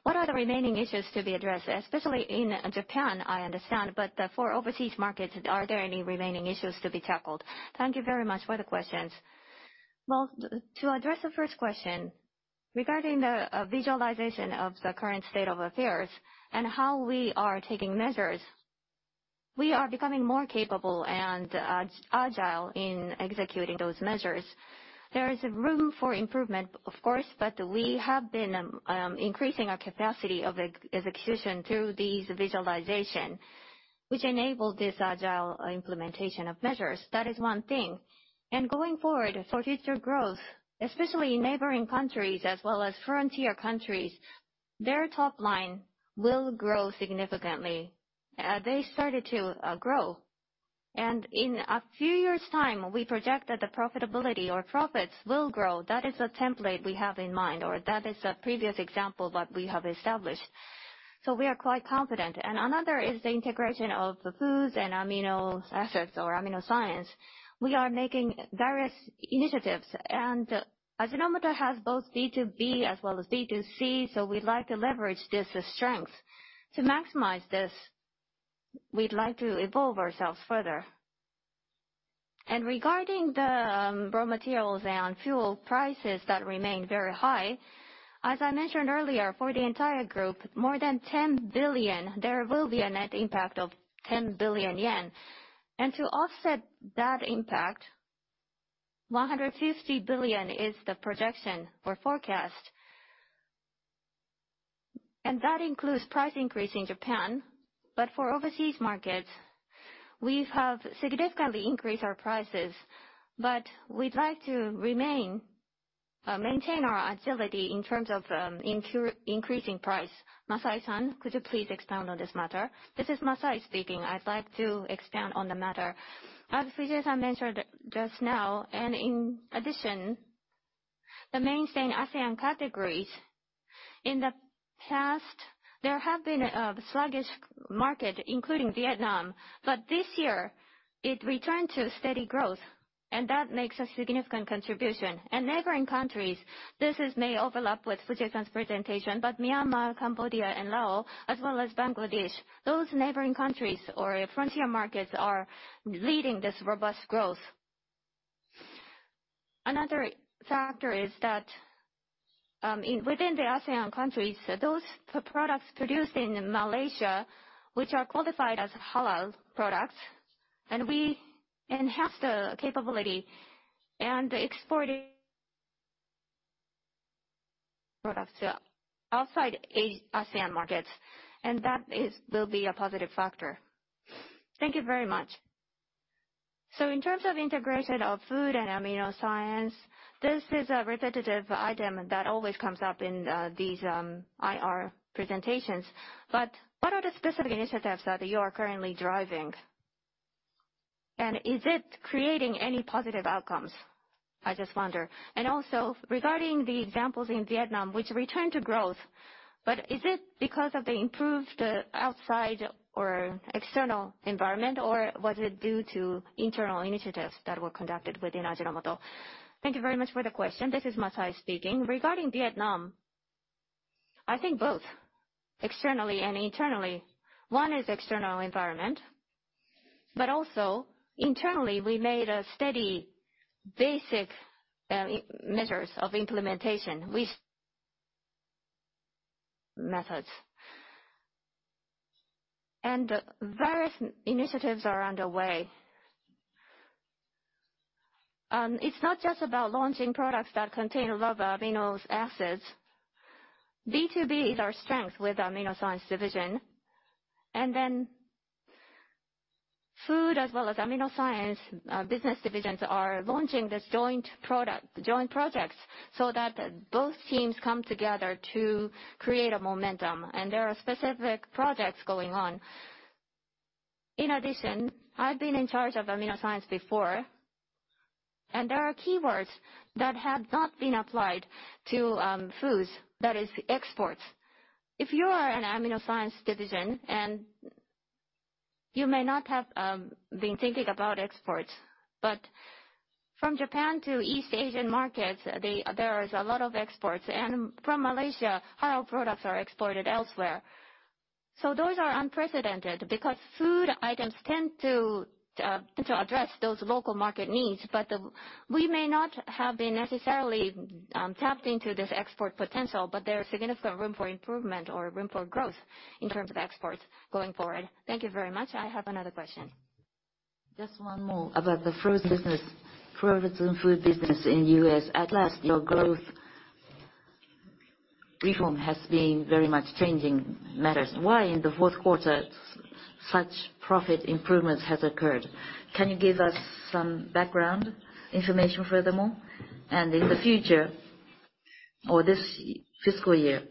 What are the remaining issues to be addressed? Especially in Japan, I understand, but for overseas markets, are there any remaining issues to be tackled? Thank you very much for the questions. Well, to address the first question, regarding the visualization of the current state of affairs and how we are taking measures. We are becoming more capable and agile in executing those measures. There is room for improvement, of course, but we have been increasing our capacity of execution through these visualization, which enabled this agile implementation of measures. That is one thing. Going forward, for future growth, especially neighboring countries as well as frontier countries, their top line will grow significantly. They started to grow. In a few years' time, we project that the profitability or profits will grow. That is the template we have in mind, or that is the previous example that we have established. We are quite confident. Another is the integration of the foods and amino acids, or AminoScience. We are making various initiatives. Ajinomoto has both B2B as well as B2C, so we'd like to leverage this as strength. To maximize this, we'd like to evolve ourselves further. Regarding the raw materials and fuel prices that remain very high, as I mentioned earlier, for the entire group, more than 10 billion, there will be a net impact of 10 billion yen. To offset that impact, 150 billion is the projection or forecast. That includes price increase in Japan, but for overseas markets, we have significantly increased our prices. We'd like to remain, maintain our agility in terms of increasing price. Masayori-san, could you please expound on this matter? This is Masayori speaking. I'd like to expound on the matter. As Fujii-san mentioned just now, in addition, the mainstay ASEAN categories, in the past there have been a sluggish market, including Vietnam. This year, it returned to steady growth, and that makes a significant contribution. Neighboring countries, this is may overlap with Fujii-san's presentation, but Myanmar, Cambodia, and Laos, as well as Bangladesh, those neighboring countries or frontier markets are leading this robust growth. Another factor is that, within the ASEAN countries, those products produced in Malaysia, which are qualified as halal products, and we enhance the capability and exporting products to outside ASEAN markets, and that is, will be a positive factor. Thank you very much. In terms of integration of food and AminoScience, this is a repetitive item that always comes up in these IR presentations. What are the specific initiatives that you are currently driving? Is it creating any positive outcomes? I just wonder. Also, regarding the examples in Vietnam, which returned to growth, but is it because of the improved outside or external environment, or was it due to internal initiatives that were conducted within Ajinomoto? Thank you very much for the question. This is Masayori speaking. Regarding Vietnam, I think both externally and internally. One is external environment, but also internally we made a steady basic measures of implementation with methods. Various initiatives are underway. It's not just about launching products that contain a lot of amino acids. B2B is our strength with AminoScience Division. Then Food as well as AminoScience business divisions are launching this joint product, joint projects so that both teams come together to create a momentum. There are specific projects going on. In addition, I've been in charge of AminoScience before. There are keywords that have not been applied to foods, that is exports. If you are an AminoScience division and you may not have been thinking about exports, but from Japan to East Asian markets, there is a lot of exports. From Malaysia, halal products are exported elsewhere. Those are unprecedented because food items tend to address those local market needs. We may not have been necessarily tapped into this export potential, but there are significant room for improvement or room for growth in terms of exports going forward. Thank you very much. I have another question. Just one more about the frozen business, frozen food business in U.S.. At last, your growth reform has been very much changing matters. Why in the fourth quarter such profit improvements has occurred? Can you give us some background information furthermore? In the future or this fiscal year,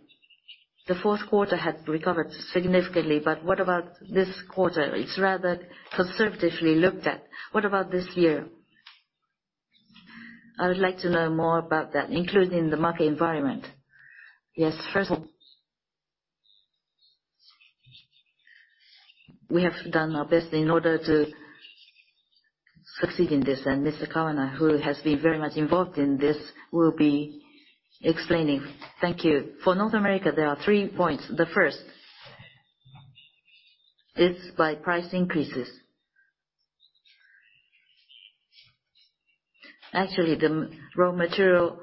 the fourth quarter had recovered significantly, but what about this quarter? It's rather conservatively looked at. What about this year? I would like to know more about that, including the market environment. Yes. First we have done our best in order to succeed in this. Mr. Kawana, who has been very much involved in this, will be explaining. Thank you. For North America, there are three points. The first is by price increases. The raw material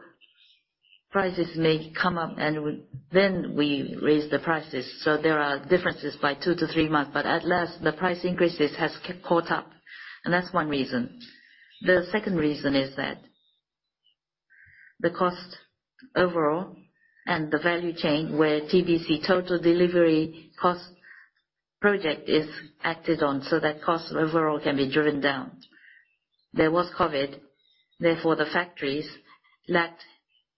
prices may come up and then we raise the prices. There are differences by two to three months, but at last, the price increases has caught up, and that's one reason. The second reason is that the cost overall and the value chain where TBC Total Delivery Cost project is acted on so that costs overall can be driven down. There was COVID, therefore the factories lacked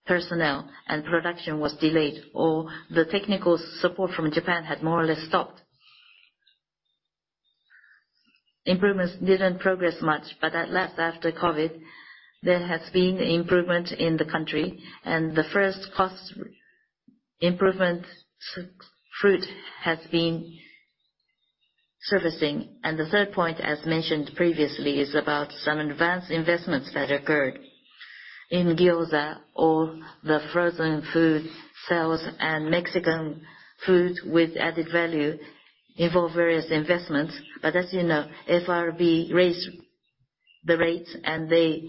personnel and production was delayed, or the technical support from Japan had more or less stopped. Improvements didn't progress much, at last after COVID, there has been improvement in the country, and the first cost improvement fruit has been servicing. The third point, as mentioned previously, is about some advanced investments that occurred in gyoza or the frozen food sales and Mexican food with added value involve various investments. As you know, FRB raised the rates, and they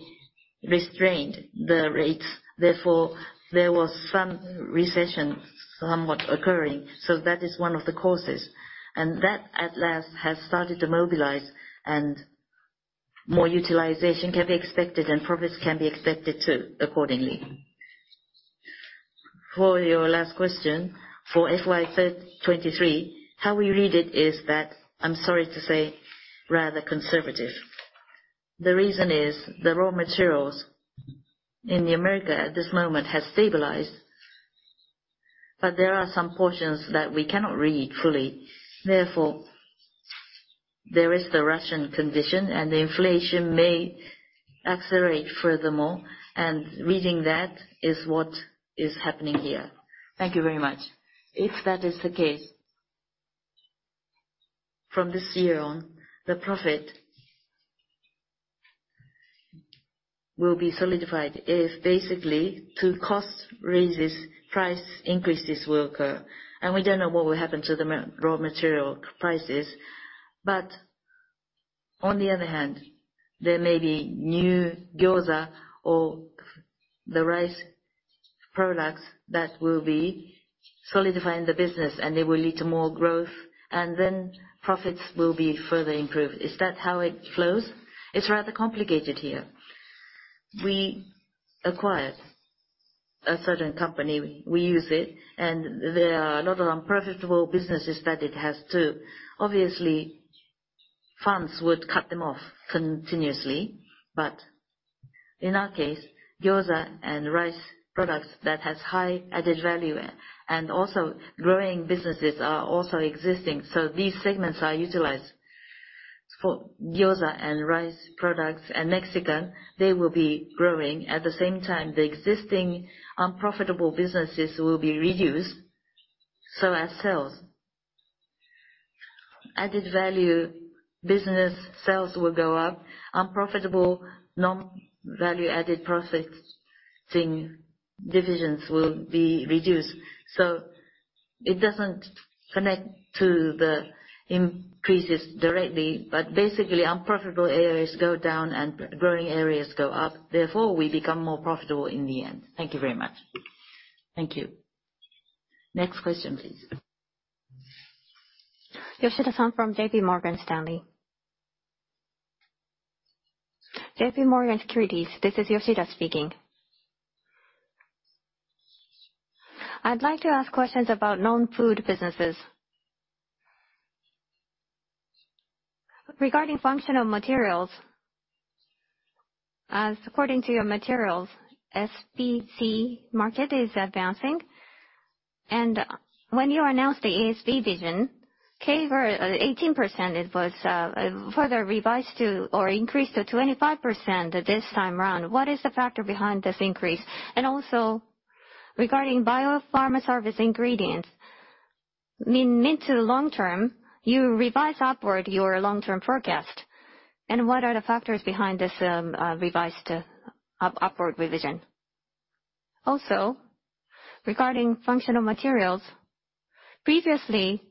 restrained the rates. There was some recession somewhat occurring, so that is one of the causes. That at last has started to mobilize and more utilization can be expected and profits can be expected too accordingly. For your last question, for FY third 2023, how we read it is that, I'm sorry to say, rather conservative. The reason is the raw materials in the U.S. at this moment has stabilized, but there are some portions that we cannot read fully. There is the Russian condition, and the inflation may accelerate furthermore, and reading that is what is happening here. Thank you very much. If that is the case, from this year on, the profit will be solidified if basically through cost raises, price increases will occur. We don't know what will happen to the raw material prices. On the other hand, there may be new gyoza or the rice products that will be solidifying the business, and they will lead to more growth, and then profits will be further improved. Is that how it flows? It's rather complicated here. We acquired a certain company, we use it, and there are a lot of unprofitable businesses that it has too. Obviously, funds would cut them off continuously. In our case, gyoza and rice products that has high added value and also growing businesses are also existing, so these segments are utilized. For gyoza and rice products and Mexican, they will be growing. At the same time, the existing unprofitable businesses will be reduced, so are sales. Added value business sales will go up. Unprofitable, non-value-added processing divisions will be reduced. It doesn't connect to the increases directly, but basically unprofitable areas go down and growing areas go up. We become more profitable in the end. Thank you very much. Thank you. Next question, please. Yoshida-san from JPMorgan Securities. JPMorgan Securities, this is Yoshida speaking. I'd like to ask questions about non-food businesses. Regarding functional materials, according to your materials, SBC market is advancing. When you announced the ASV vision, KPIs were at 18%. It was further revised to or increased to 25% this time around. What is the factor behind this increase? Regarding biopharma service ingredients, in mid to long term, you revised upward your long-term forecast. What are the factors behind this revised upward revision? Regarding functional materials, previously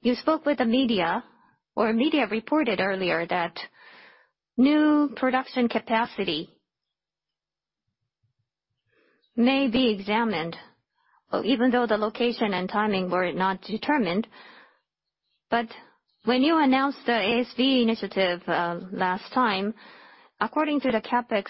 you spoke with the media or media reported earlier that new production capacity may be examined, even though the location and timing were not determined. When you announced the ASV initiative, last time, according to the CapEx,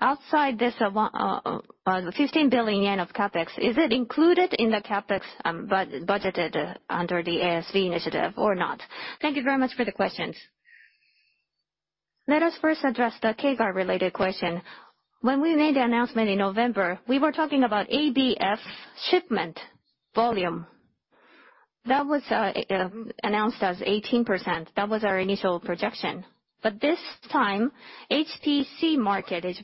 outside this, 15 billion yen of CapEx, is it included in the CapEx budgeted under the ASV initiative or not? Thank you very much for the questions. Let us first address the CAGR related question. When we made the announcement in November, we were talking about ABF shipment volume. That was announced as 18%. That was our initial projection. This time, HPC market is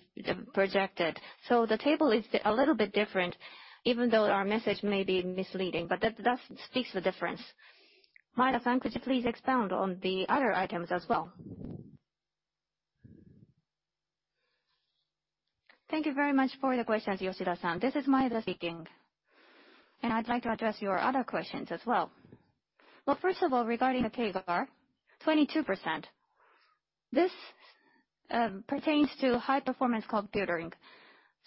projected, so the table is a little bit different even though our message may be misleading. That speaks the difference. Maeda-san, could you please expound on the other items as well? Thank you very much for the questions, Yoshida-san. This is Maeda speaking. I'd like to address your other questions as well. First of all, regarding the CAGR, 22%, this pertains to high performance computing.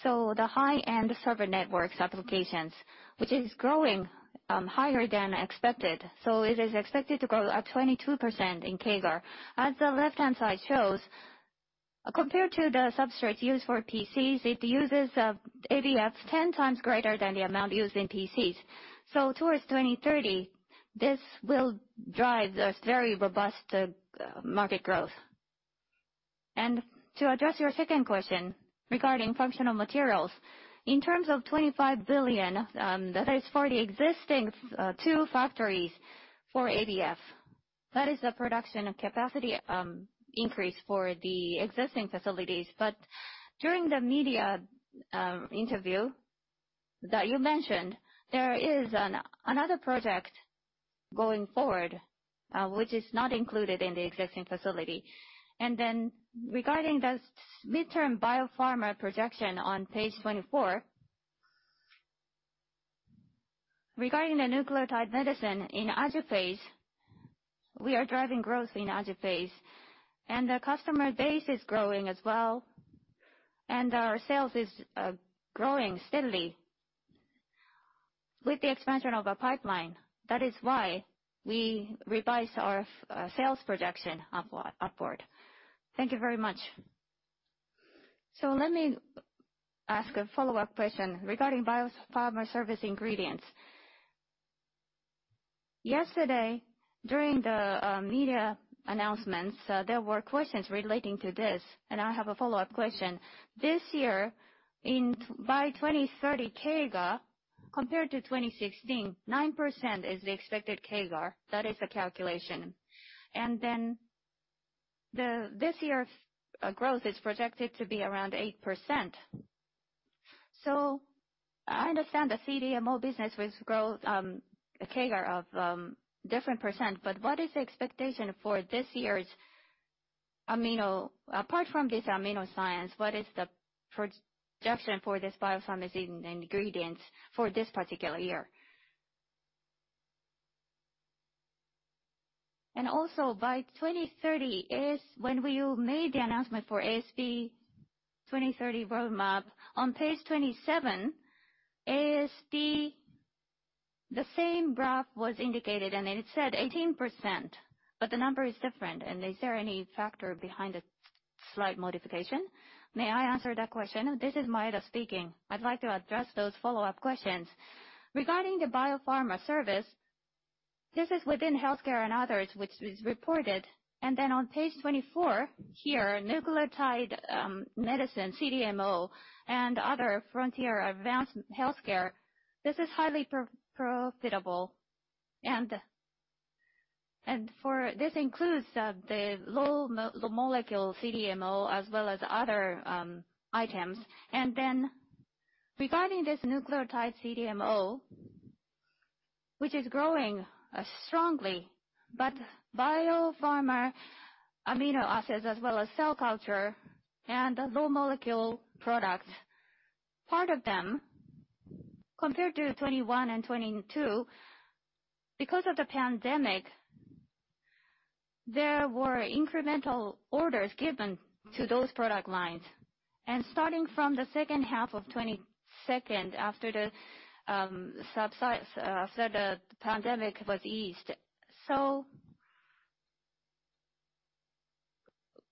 The high-end server networks applications, which is growing higher than expected. It is expected to grow at 22% in CAGR. As the left-hand side shows, compared to the substrates used for PCs, it uses ABFs 10 times greater than the amount used in PCs. Towards 2030, this will drive this very robust market growth. To address your second question regarding functional materials, in terms of 25 billion, that is for the existing two factories for ABF. That is the production capacity increase for the existing facilities. During the media interview that you mentioned, there is another project going forward, which is not included in the existing facility. Regarding this midterm biopharma projection on page 24. Regarding the nucleotide medicine in AjiPhaSe, we are driving growth in AjiPhaSe, and the customer base is growing as well, and our sales is growing steadily with the expansion of the pipeline. That is why we revised our sales projection upward. Thank you very much. Let me ask a follow-up question regarding biopharma service ingredients. Yesterday, during the media announcements, there were questions relating to this, and I have a follow-up question. This year, in by 2030 CAGR, compared to 2016, 9% is the expected CAGR. That is the calculation. This year's growth is projected to be around 8%. I understand the CDMO business with growth, a CAGR of different %, but what is the expectation for this year's AminoScience? Apart from this AminoScience, what is the projection for this biopharma in ingredients for this particular year? Also by 2030 is when we made the announcement for ASV 2030 roadmap. On page 27, ASV, the same graph was indicated and it said 18%, but the number is different. Is there any factor behind the slight modification? May I answer that question? This is Maeda speaking. I'd like to address those follow-up questions. Regarding the biopharma service, this is within healthcare and others, which is reported. On page 24 here, oligonucleotide medicine, CDMO and other frontier advanced healthcare, this is highly profitable. For this includes the low molecule CDMO as well as other items. Regarding this nucleotide CDMO, which is growing strongly, but biopharma amino acids as well as cell culture and the low molecule products, part of them, compared to 2021 and 2022, because of the pandemic, there were incremental orders given to those product lines. Starting from the second half of 2022 after the subside, after the pandemic was eased.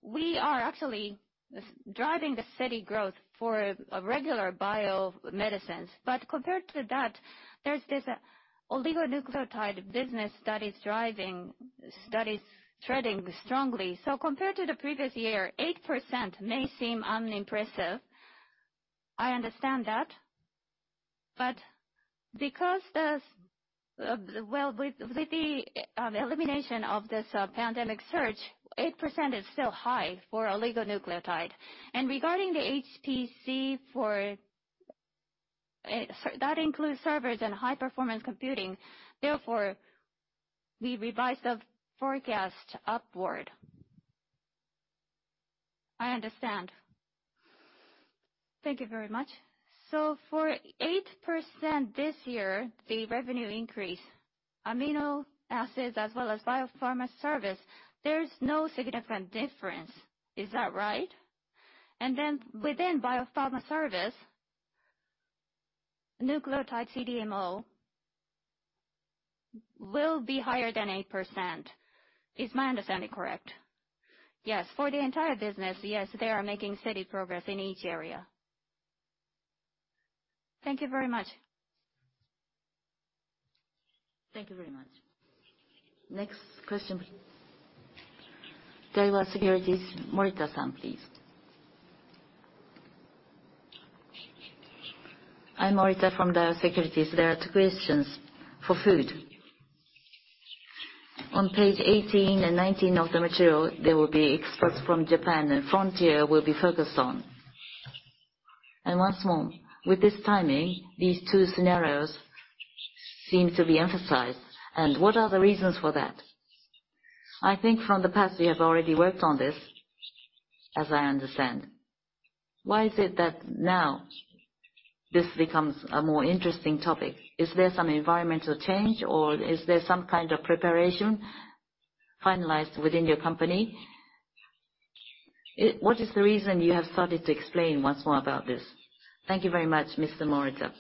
We are actually driving the steady growth for a regular biomedicines. Compared to that, there's this oligonucleotide business that is driving, that is trending strongly. Compared to the previous year, 8% may seem unimpressive. I understand that. Because this, well, with the elimination of this pandemic surge, 8% is still high for oligonucleotide. Regarding the HPC for that includes servers and high performance computing, therefore, we revised the forecast upward. I understand. Thank you very much. For 8% this year, the revenue increase, amino acids as well as biopharma service, there's no significant difference. Is that right? Within biopharma service, nucleotide CDMO will be higher than 8%. Is my understanding correct? Yes. For the entire business, they are making steady progress in each area. Thank you very much. Thank you very much. Next question, please. Daiwa Securities, Morita-san, please. I'm Morita from Daiwa Securities. There are two questions for food. On page 18 and 19 of the material, there will be exports from Japan and frontier will be focused on. Once more, with this timing, these two scenarios seem to be emphasized. What are the reasons for that? I think from the past, we have already worked on this, as I understand. Why is it that now this becomes a more interesting topic? Is there some environmental change or is there some kind of preparation finalized within your company? What is the reason you have started to explain once more about this? Thank you very much, Mr. Morita.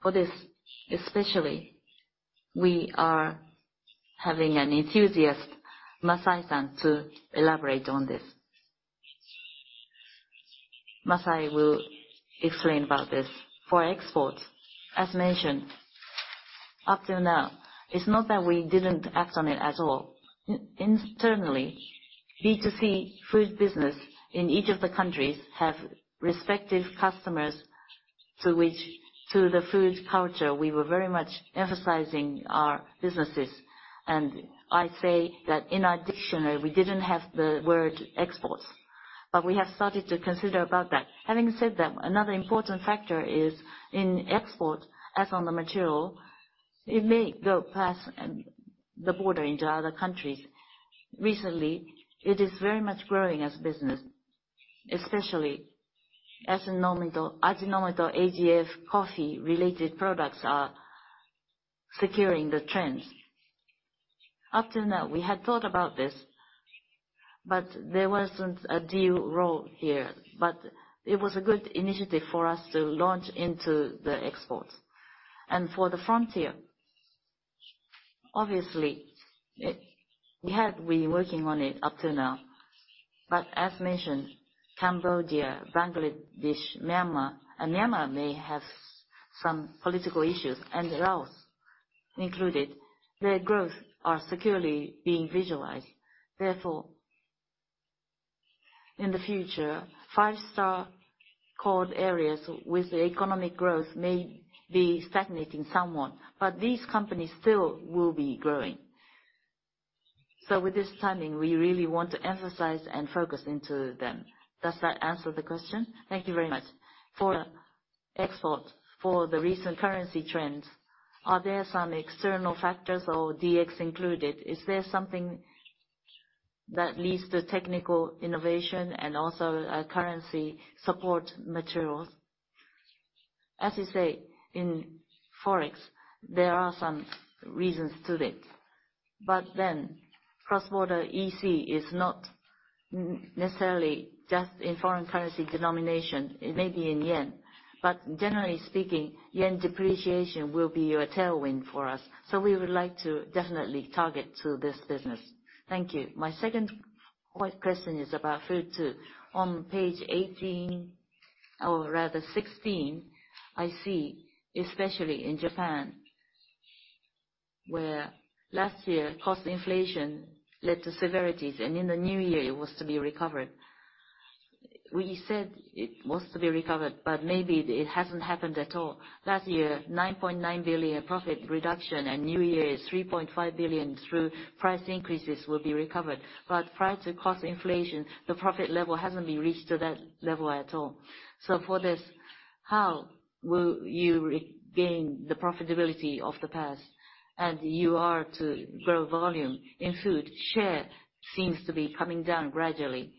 For this, especially, we are having an enthusiast, Masaya-san, to elaborate on this. Masaya will explain about this. For exports, as mentioned, up till now, it's not that we didn't act on it at all. Internally, B2C food business in each of the countries have respective customers to which, through the food culture, we were very much emphasizing our businesses. I say that in our dictionary, we didn't have the word exports, but we have started to consider about that. Having said that, another important factor is in export, as on the material, it may go past and the border into other countries. Recently, it is very much growing as business, especially as Ajinomoto AGF coffee-related products are securing the trends. Up till now, we had thought about this, but there wasn't a due role here. It was a good initiative for us to launch into the exports. For the frontier, obviously, it we had been working on it up till now. As mentioned, Cambodia, Bangladesh, Myanmar, and Myanmar may have some political issues and Laos included, their growth are securely being visualized. In the future, five-star core areas with the economic growth may be stagnating somewhat. These companies still will be growing. With this timing, we really want to emphasize and focus into them. Does that answer the question? Thank you very much. For export, for the recent currency trends, are there some external factors or DX included? Is there something that leads to technical innovation and also, currency support materials? As you say, in Forex, there are some reasons to it. Cross-border EC is not necessarily just in foreign currency denomination. It may be in yen. Generally speaking, yen depreciation will be a tailwind for us. We would like to definitely target to this business. Thank you. My second question is about food too. On page 18, or rather 16, I see especially in Japan, where last year cost inflation led to severities, and in the new year it was to be recovered. We said it was to be recovered, maybe it hasn't happened at all. Last year, 9.9 billion profit reduction and new year is 3.5 billion through price increases will be recovered. Prior to cost inflation, the profit level hasn't been reached to that level at all. For this, how will you regain the profitability of the past? You are to grow volume in food. Share seems to be coming down gradually.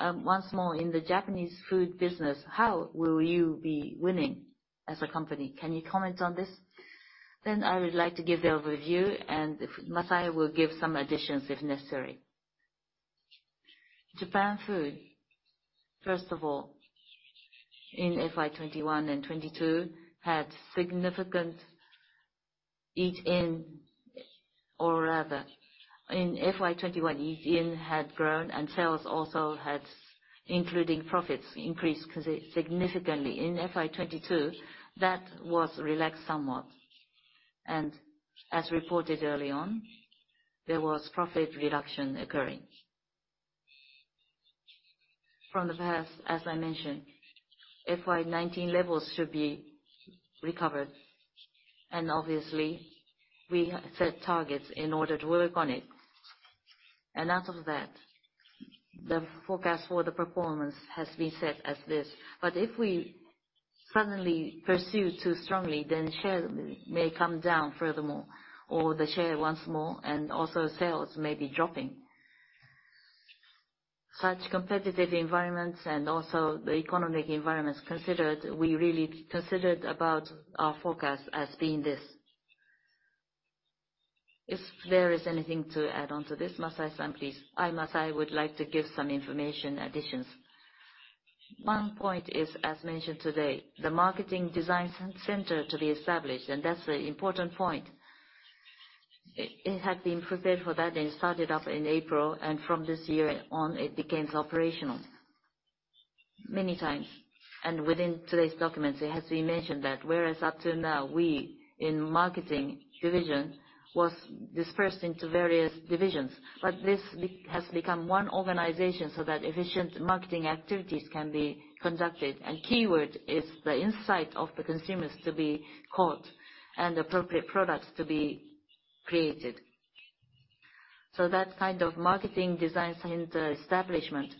Once more, in the Japanese food business, how will you be winning as a company? Can you comment on this? I would like to give the overview, and Masaya will give some additions, if necessary. Japan food, first of all, in FY 2021 and 2022, had significant eat in, or rather in FY 2021, eat in had grown and sales also had, including profits, increased significantly. In FY 2022, that was relaxed somewhat. As reported early on, there was profit reduction occurring. From the past, as I mentioned, FY 2019 levels should be recovered. Obviously, we set targets in order to work on it. Out of that, the forecast for the performance has been set as this. If we suddenly pursue too strongly, share may come down furthermore, or the share once more, and also sales may be dropping. Such competitive environments and also the economic environments considered, we really considered about our forecast as being this. If there is anything to add on to this, Masaya-san, please. I, Masaya, would like to give some information additions. One point is, as mentioned today, the Marketing Design Center to be established, and that's the important point. It had been prepared for that and started up in April, from this year on, it becomes operational many times. Within today's documents, it has been mentioned that whereas up till now, we in marketing division was dispersed into various divisions. This has become one organization so that efficient marketing activities can be conducted. Keyword is the insight of the consumers to be caught and appropriate products to be created. That kind of Marketing Design Center establishment.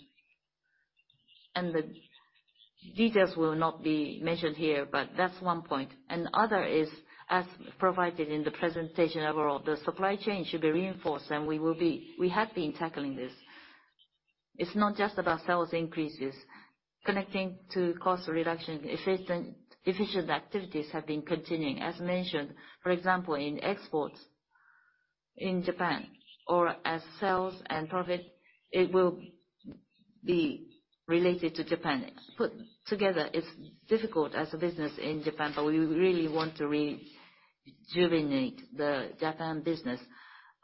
The details will not be mentioned here, but that's one point. Other is, as provided in the presentation overall, the supply chain should be reinforced, and we have been tackling this. It's not just about sales increases. Connecting to cost reduction, efficient activities have been continuing. As mentioned, for example, in exports in Japan or as sales and profit, it will be related to Japan. Put together, it's difficult as a business in Japan, but we really want to rejuvenate the Japan business.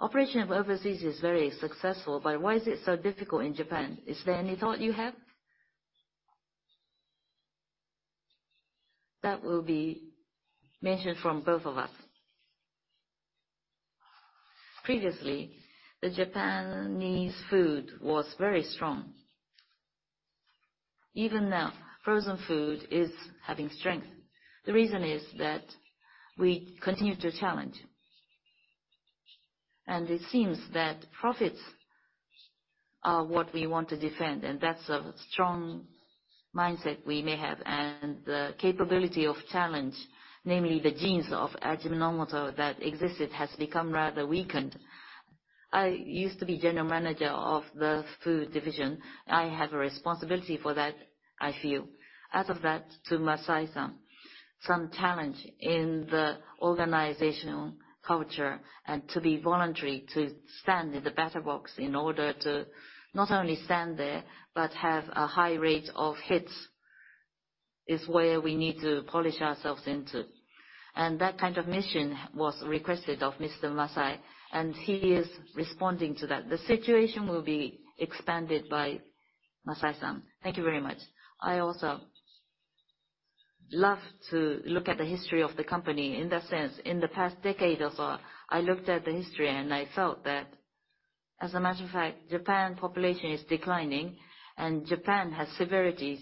Operation of overseas is very successful, but why is it so difficult in Japan? Is there any thought you have? That will be mentioned from both of us. Previously, the Japanese food was very strong. Even now, frozen food is having strength. The reason is that we continue to challenge. It seems that profits are what we want to defend, and that's a strong mindset we may have. The capability of challenge, namely the genes of Ajinomoto that existed, has become rather weakened. I used to be general manager of the Food Division. I have a responsibility for that, I feel. Out of that, to Masaya-san, some challenge in the organizational culture and to be voluntary to stand in the batter box in order to not only stand there, but have a high rate of hits, is where we need to polish ourselves into. That kind of mission was requested of Mr. Masaya, and he is responding to that. The situation will be expanded by Masaya-san. Thank you very much. I also love to look at the history of the company in that sense. In the past 10 years or so, I looked at the history and I felt that, as a matter of fact, Japan population is declining and Japan has severities.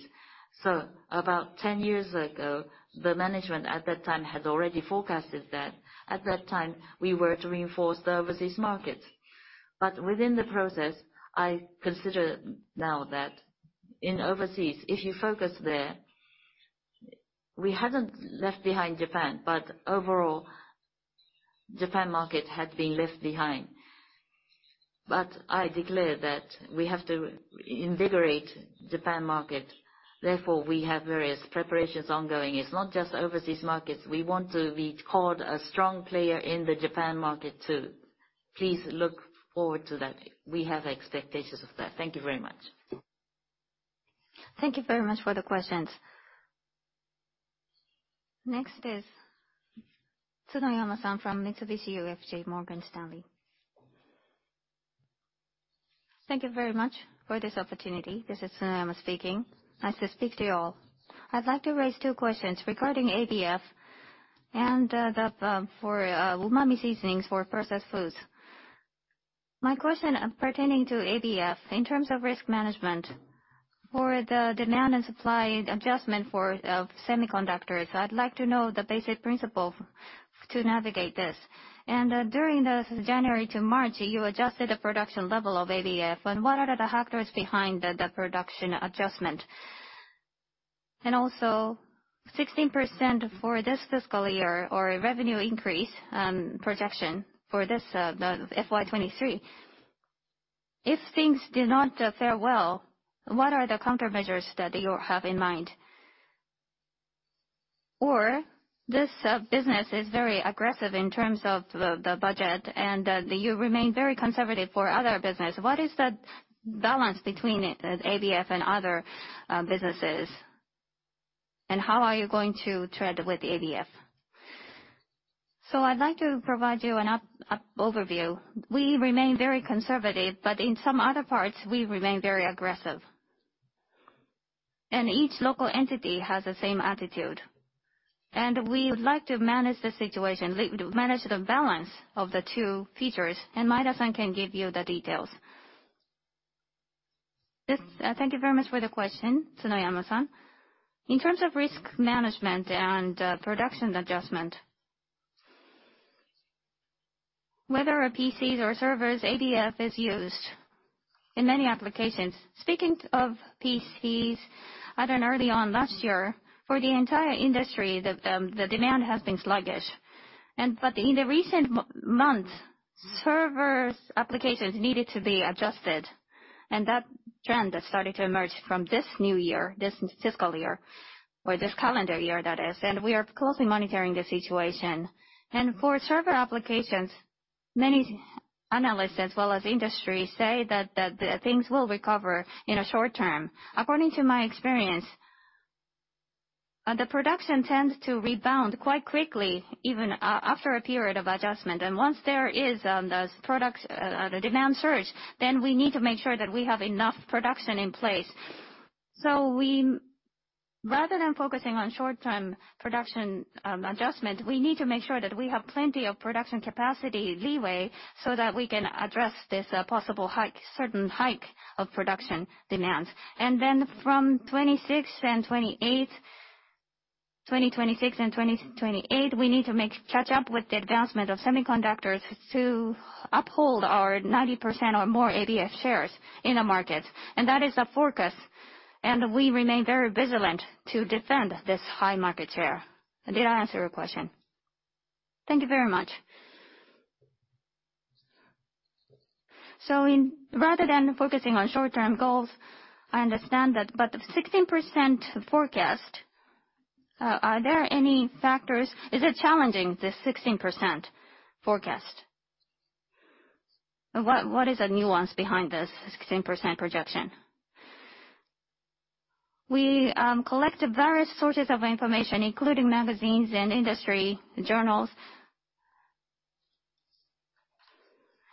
About 10 years ago, the management at that time had already forecasted that. At that time, we were to reinforce the overseas market. Within the process, I consider now that in overseas, if you focus there, we hadn't left behind Japan, but overall, Japan market had been left behind. I declare that we have to invigorate Japan market, therefore we have various preparations ongoing. It's not just overseas markets. We want to be called a strong player in the Japan market too. Please look forward to that. We have expectations of that. Thank you very much. Thank you very much for the questions. Next is Tsunoyama from Mitsubishi UFJ Morgan Stanley. Thank you very much for this opportunity. This is Tsunoyama speaking. Nice to speak to you all. I'd like to raise two questions regarding ABF and the for umami seasonings for processed foods. My question pertaining to ABF, in terms of risk management for the demand and supply adjustment for semiconductors, I'd like to know the basic principle to navigate this. During the January to March, you adjusted the production level of ABF. What are the factors behind the production adjustment? Also 16% for this fiscal year or revenue increase projection for this the FY 2023. If things do not fare well, what are the countermeasures that you have in mind? This business is very aggressive in terms of the budget and you remain very conservative for other business. What is the balance between ABF and other businesses? How are you going to tread with ABF? I'd like to provide you an up overview. We remain very conservative, but in some other parts we remain very aggressive. Each local entity has the same attitude. We would like to manage the situation, manage the balance of the two features, and Maeda-san can give you the details. Yes. Thank you very much for the question, Tsunoyama-san. In terms of risk management and production adjustment, whether PCs or servers, ABF is used in many applications. Speaking of PCs, I think early on last year, for the entire industry, the demand has been sluggish. In the recent months, servers applications needed to be adjusted. That trend has started to emerge from this new year, this fiscal year, or this calendar year, that is. We are closely monitoring the situation. For server applications, many analysts as well as industry say that things will recover in a short term. According to my experience, the production tends to rebound quite quickly even after a period of adjustment. Once there is those products, the demand surge, then we need to make sure that we have enough production in place. We, rather than focusing on short-term production, adjustment, we need to make sure that we have plenty of production capacity leeway so that we can address this possible hike, certain hike of production demands. Then from 2026 and 2028, we need to make catch up with the advancement of semiconductors to uphold our 90% or more ABF shares in the market. That is the forecast, and we remain very vigilant to defend this high market share. Did I answer your question? Thank you very much. Rather than focusing on short-term goals, I understand that, but the 16% forecast, are there any factors? Is it challenging, this 16% forecast? What is the nuance behind this 16% projection? We collected various sources of information, including magazines and industry journals.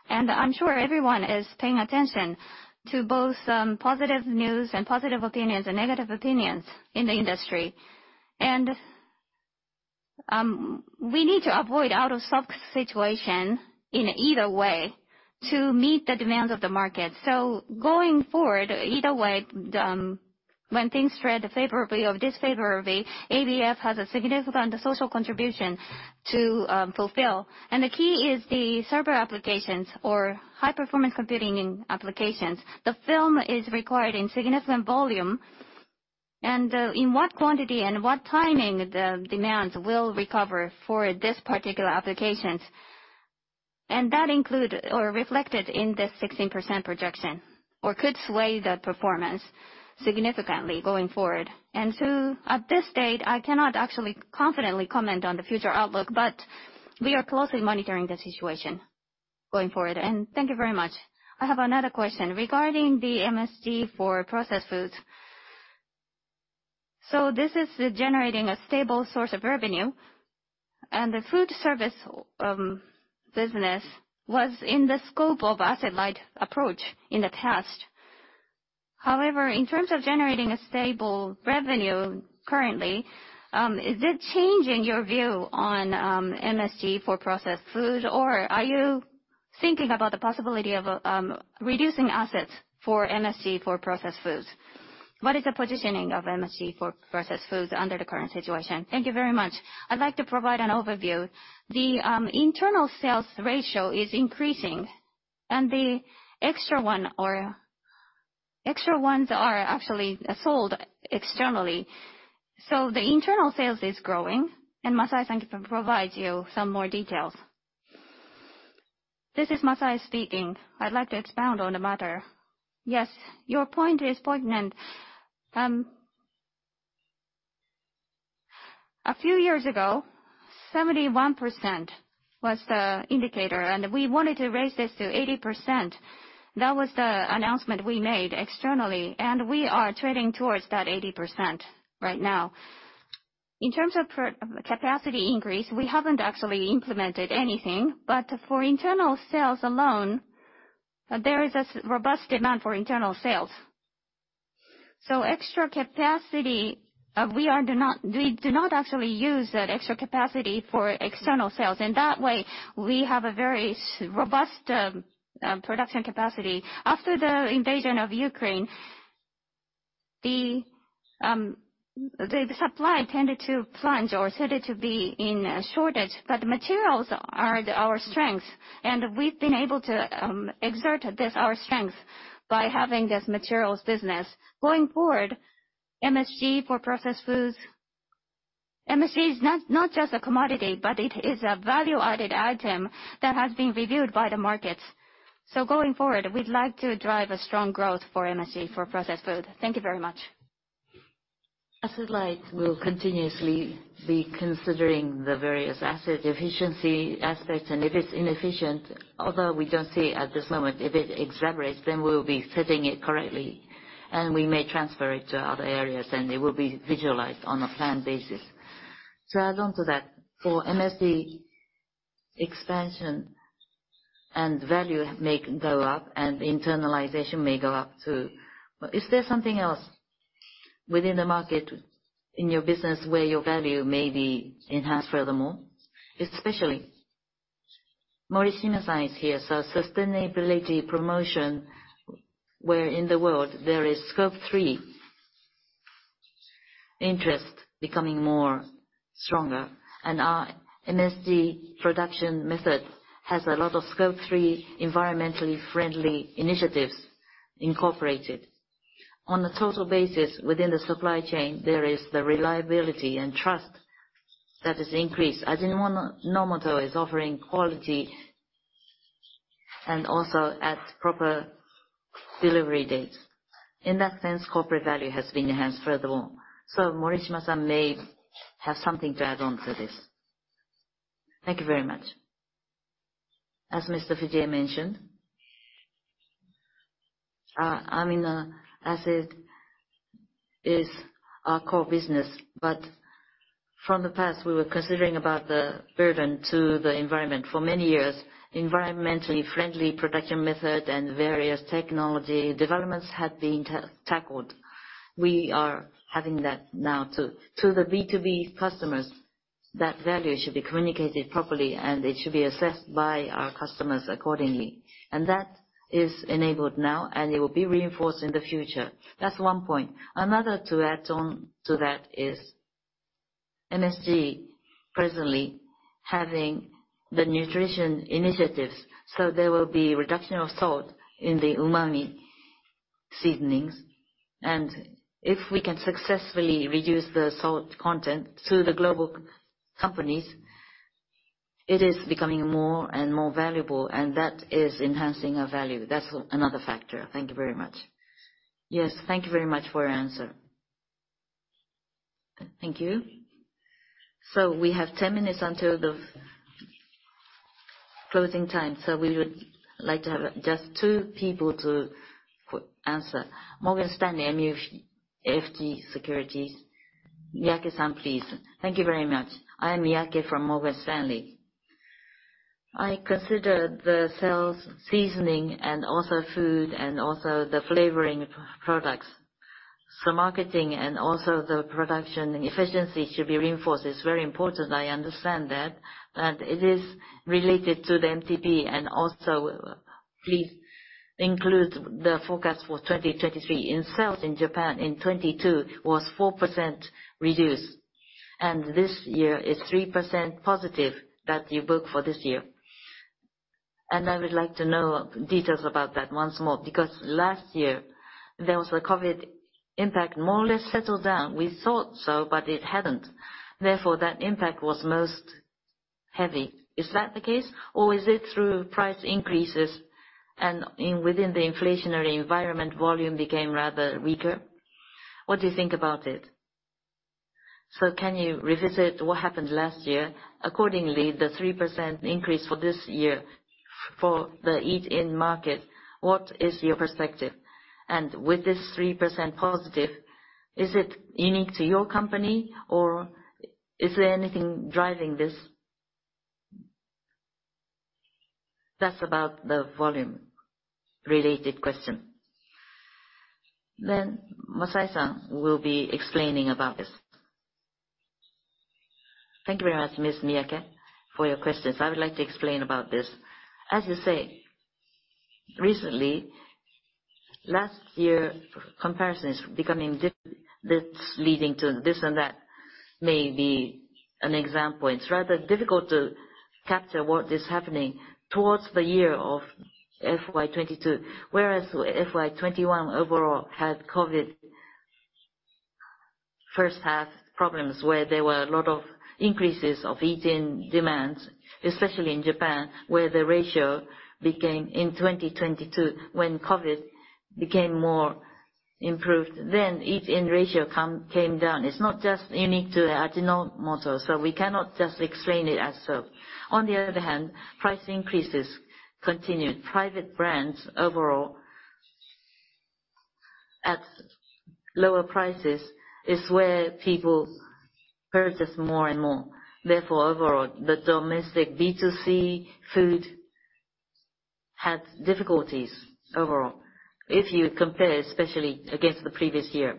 I'm sure everyone is paying attention to both positive news and positive opinions and negative opinions in the industry. We need to avoid out of stock situation in either way to meet the demands of the market. Going forward, either way, when things thread favorably or disfavorably, ABF has a significant social contribution to fulfill. The key is the server applications or high-performance computing applications. The film is required in significant volume, and in what quantity and what timing the demands will recover for this particular applications. That include or reflected in this 16% projection, or could sway the performance significantly going forward. At this stage, I cannot actually confidently comment on the future outlook, but we are closely monitoring the situation going forward. Thank you very much. I have another question. Regarding the MSG for processed foods, this is generating a stable source of revenue, and the food service business was in the scope of asset-light approach in the past. However, in terms of generating a stable revenue currently, is it changing your view on MSG for processed food? Or are you thinking about the possibility of reducing assets for MSG for processed foods? What is the positioning of MSG for processed foods under the current situation? Thank you very much. I'd like to provide an overview. The internal sales ratio is increasing, and the extra one or extra ones are actually sold externally. The internal sales is growing, and Masai can provide you some more details. This is Masai speaking. I'd like to expound on the matter. Yes, your point is poignant. A few years ago, 71% was the indicator, and we wanted to raise this to 80%. That was the announcement we made externally, and we are trending towards that 80% right now. In terms of pro- capacity increase, we haven't actually implemented anything, but for internal sales alone, there is a robust demand for internal sales. Extra capacity, we do not actually use that extra capacity for external sales. In that way, we have a very robust production capacity. After the invasion of Ukraine, the supply tended to plunge or said it to be in a shortage, but materials are our strength, and we've been able to exert this, our strength by having this materials business. Going forward, MSG for processed foods, MSG is not just a commodity, but it is a value-added item that has been reviewed by the markets. Going forward, we'd like to drive a strong growth for MSG for processed food. Thank you very much. Asset light will continuously be considering the various asset efficiency aspects. If it's inefficient, although we don't see at this moment, if it exaggerates, we'll be setting it correctly. We may transfer it to other areas. It will be visualized on a planned basis. To add on to that, for MSG expansion, value may go up, and internalization may go up too. Is there something else within the market in your business where your value may be enhanced furthermore? Especially Morishima-san is here, sustainability promotion, where in the world there is Scope three interest becoming stronger. Our MSG production method has a lot of Scope three environmentally friendly initiatives incorporated. On a total basis within the supply chain, there is the reliability and trust that is increased. Ajinomoto is offering quality and also at proper delivery dates. In that sense, corporate value has been enhanced furthermore. Morishima-san may have something to add on to this. Thank you very much. As Mr. Fujii mentioned, asset is our core business, but from the past, we were considering about the burden to the environment. For many years, environmentally friendly production method and various technology developments had been tackled. We are having that now to the B2B customers. That value should be communicated properly, and it should be assessed by our customers accordingly. That is enabled now, and it will be reinforced in the future. That's one point. Another to add on to that is MSG presently having the nutrition initiatives, so there will be reduction of salt in the Umami Seasonings. If we can successfully reduce the salt content to the global companies, it is becoming more and more valuable, and that is enhancing our value. That's another factor. Thank you very much. Yes, thank you very much for your answer. Thank you. We have 10 minutes until the closing time, so we would like to have just two people to answer. Morgan Stanley MUFG Securities. Miyake-san, please. Thank you very much. I am Miyake from Morgan Stanley. I consider the sales, seasoning, and also food, and also the flavoring products. Marketing and also the production efficiency should be reinforced. It's very important, I understand that. It is related to the MTP, and also please include the forecast for 2023. In sales in Japan in 2022 was 4% reduced, and this year is 3% positive that you book for this year. I would like to know details about that once more. Last year there was a COVID impact more or less settled down. We thought so, but it hadn't. That impact was most heavy. Is that the case? Is it through price increases and in within the inflationary environment, volume became rather weaker? What do you think about it? Can you revisit what happened last year? The 3% increase for this year for the eat-in market, what is your perspective? With this 3% positive, is it unique to your company or is there anything driving this? That's about the volume-related question. Masaya-san will be explaining about this. Thank you very much, Ms. Miyake, for your questions. I would like to explain about this. As you say, recently, last year comparisons becoming this leading to this and that may be an example. It's rather difficult to capture what is happening towards the year of FY 2022. Whereas FY 2021 overall had COVID first half problems, where there were a lot of increases of eat-in demands, especially in Japan, where the ratio became in 2022 when COVID became more improved, then eat-in ratio came down. It's not just unique to Ajinomoto, so we cannot just explain it as so. On the other hand, price increases continued. Private brands overall at lower prices is where people purchase more and more. Therefore, overall, the domestic B2C food had difficulties overall, if you compare especially against the previous year.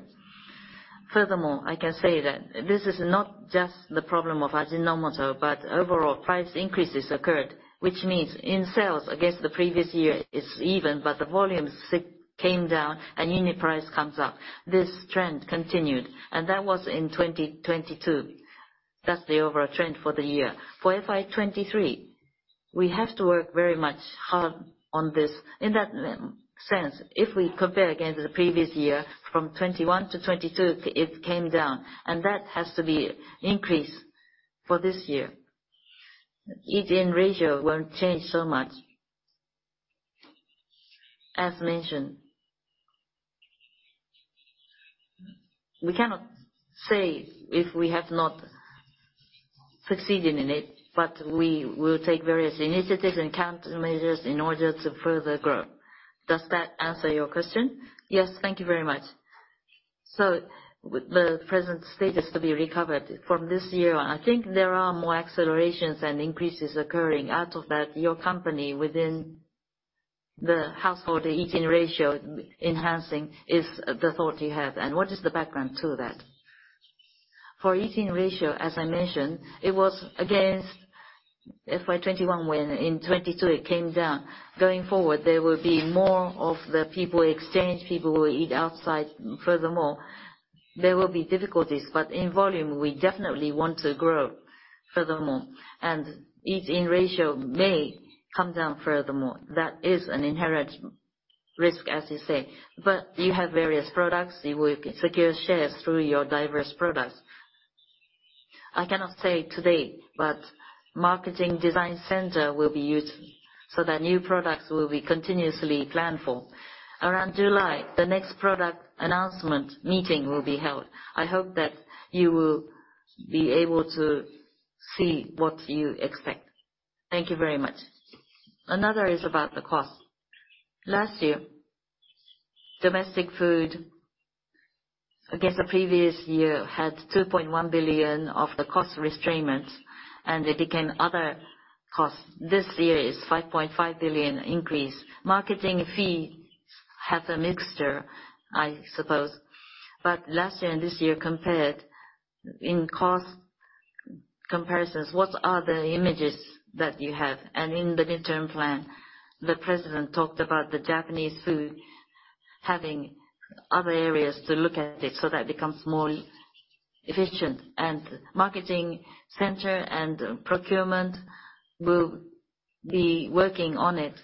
I can say that this is not just the problem of Ajinomoto, but overall price increases occurred, which means in sales against the previous year is even, but the volumes came down and unit price comes up. This trend continued, that was in 2022. That's the overall trend for the year. For FY 2023, we have to work very much hard on this. In that sense, if we compare against the previous year, from 2021-2022, it came down, and that has to be increased for this year. Eat-in ratio won't change so much. As mentioned, we cannot say if we have not succeeded in it, but we will take various initiatives and countermeasures in order to further grow. Does that answer your question? Yes. Thank you very much. The present status to be recovered from this year, I think there are more accelerations and increases occurring. Out of that, your company within the household eat-in ratio enhancing is the thought you have. What is the background to that? For eat-in ratio, as I mentioned, it was against FY 2021, when in 2022 it came down. Going forward, there will be more of the people exchange, people will eat outside furthermore. There will be difficulties, but in volume, we definitely want to grow furthermore. Eat-in ratio may come down furthermore. That is an inherent risk, as you say. You have various products. You will secure shares through your diverse products. I cannot say today, but Marketing Design Center will be used so that new products will be continuously planned for. Around July, the next product announcement meeting will be held. I hope that you will be able to see what you expect. Thank you very much. Is about the cost. Last year, domestic food against the previous year had 2.1 billion of the cost restrainment, and it became other costs. This year is 5.5 billion increase. Marketing fee. Have a mixture, I suppose. Last year and this year compared, in cost comparisons, what are the images that you have? In the midterm plan, the President talked about the Japanese food having other areas to look at it so that it becomes more efficient, and Marketing Design Center and procurement will be working on it.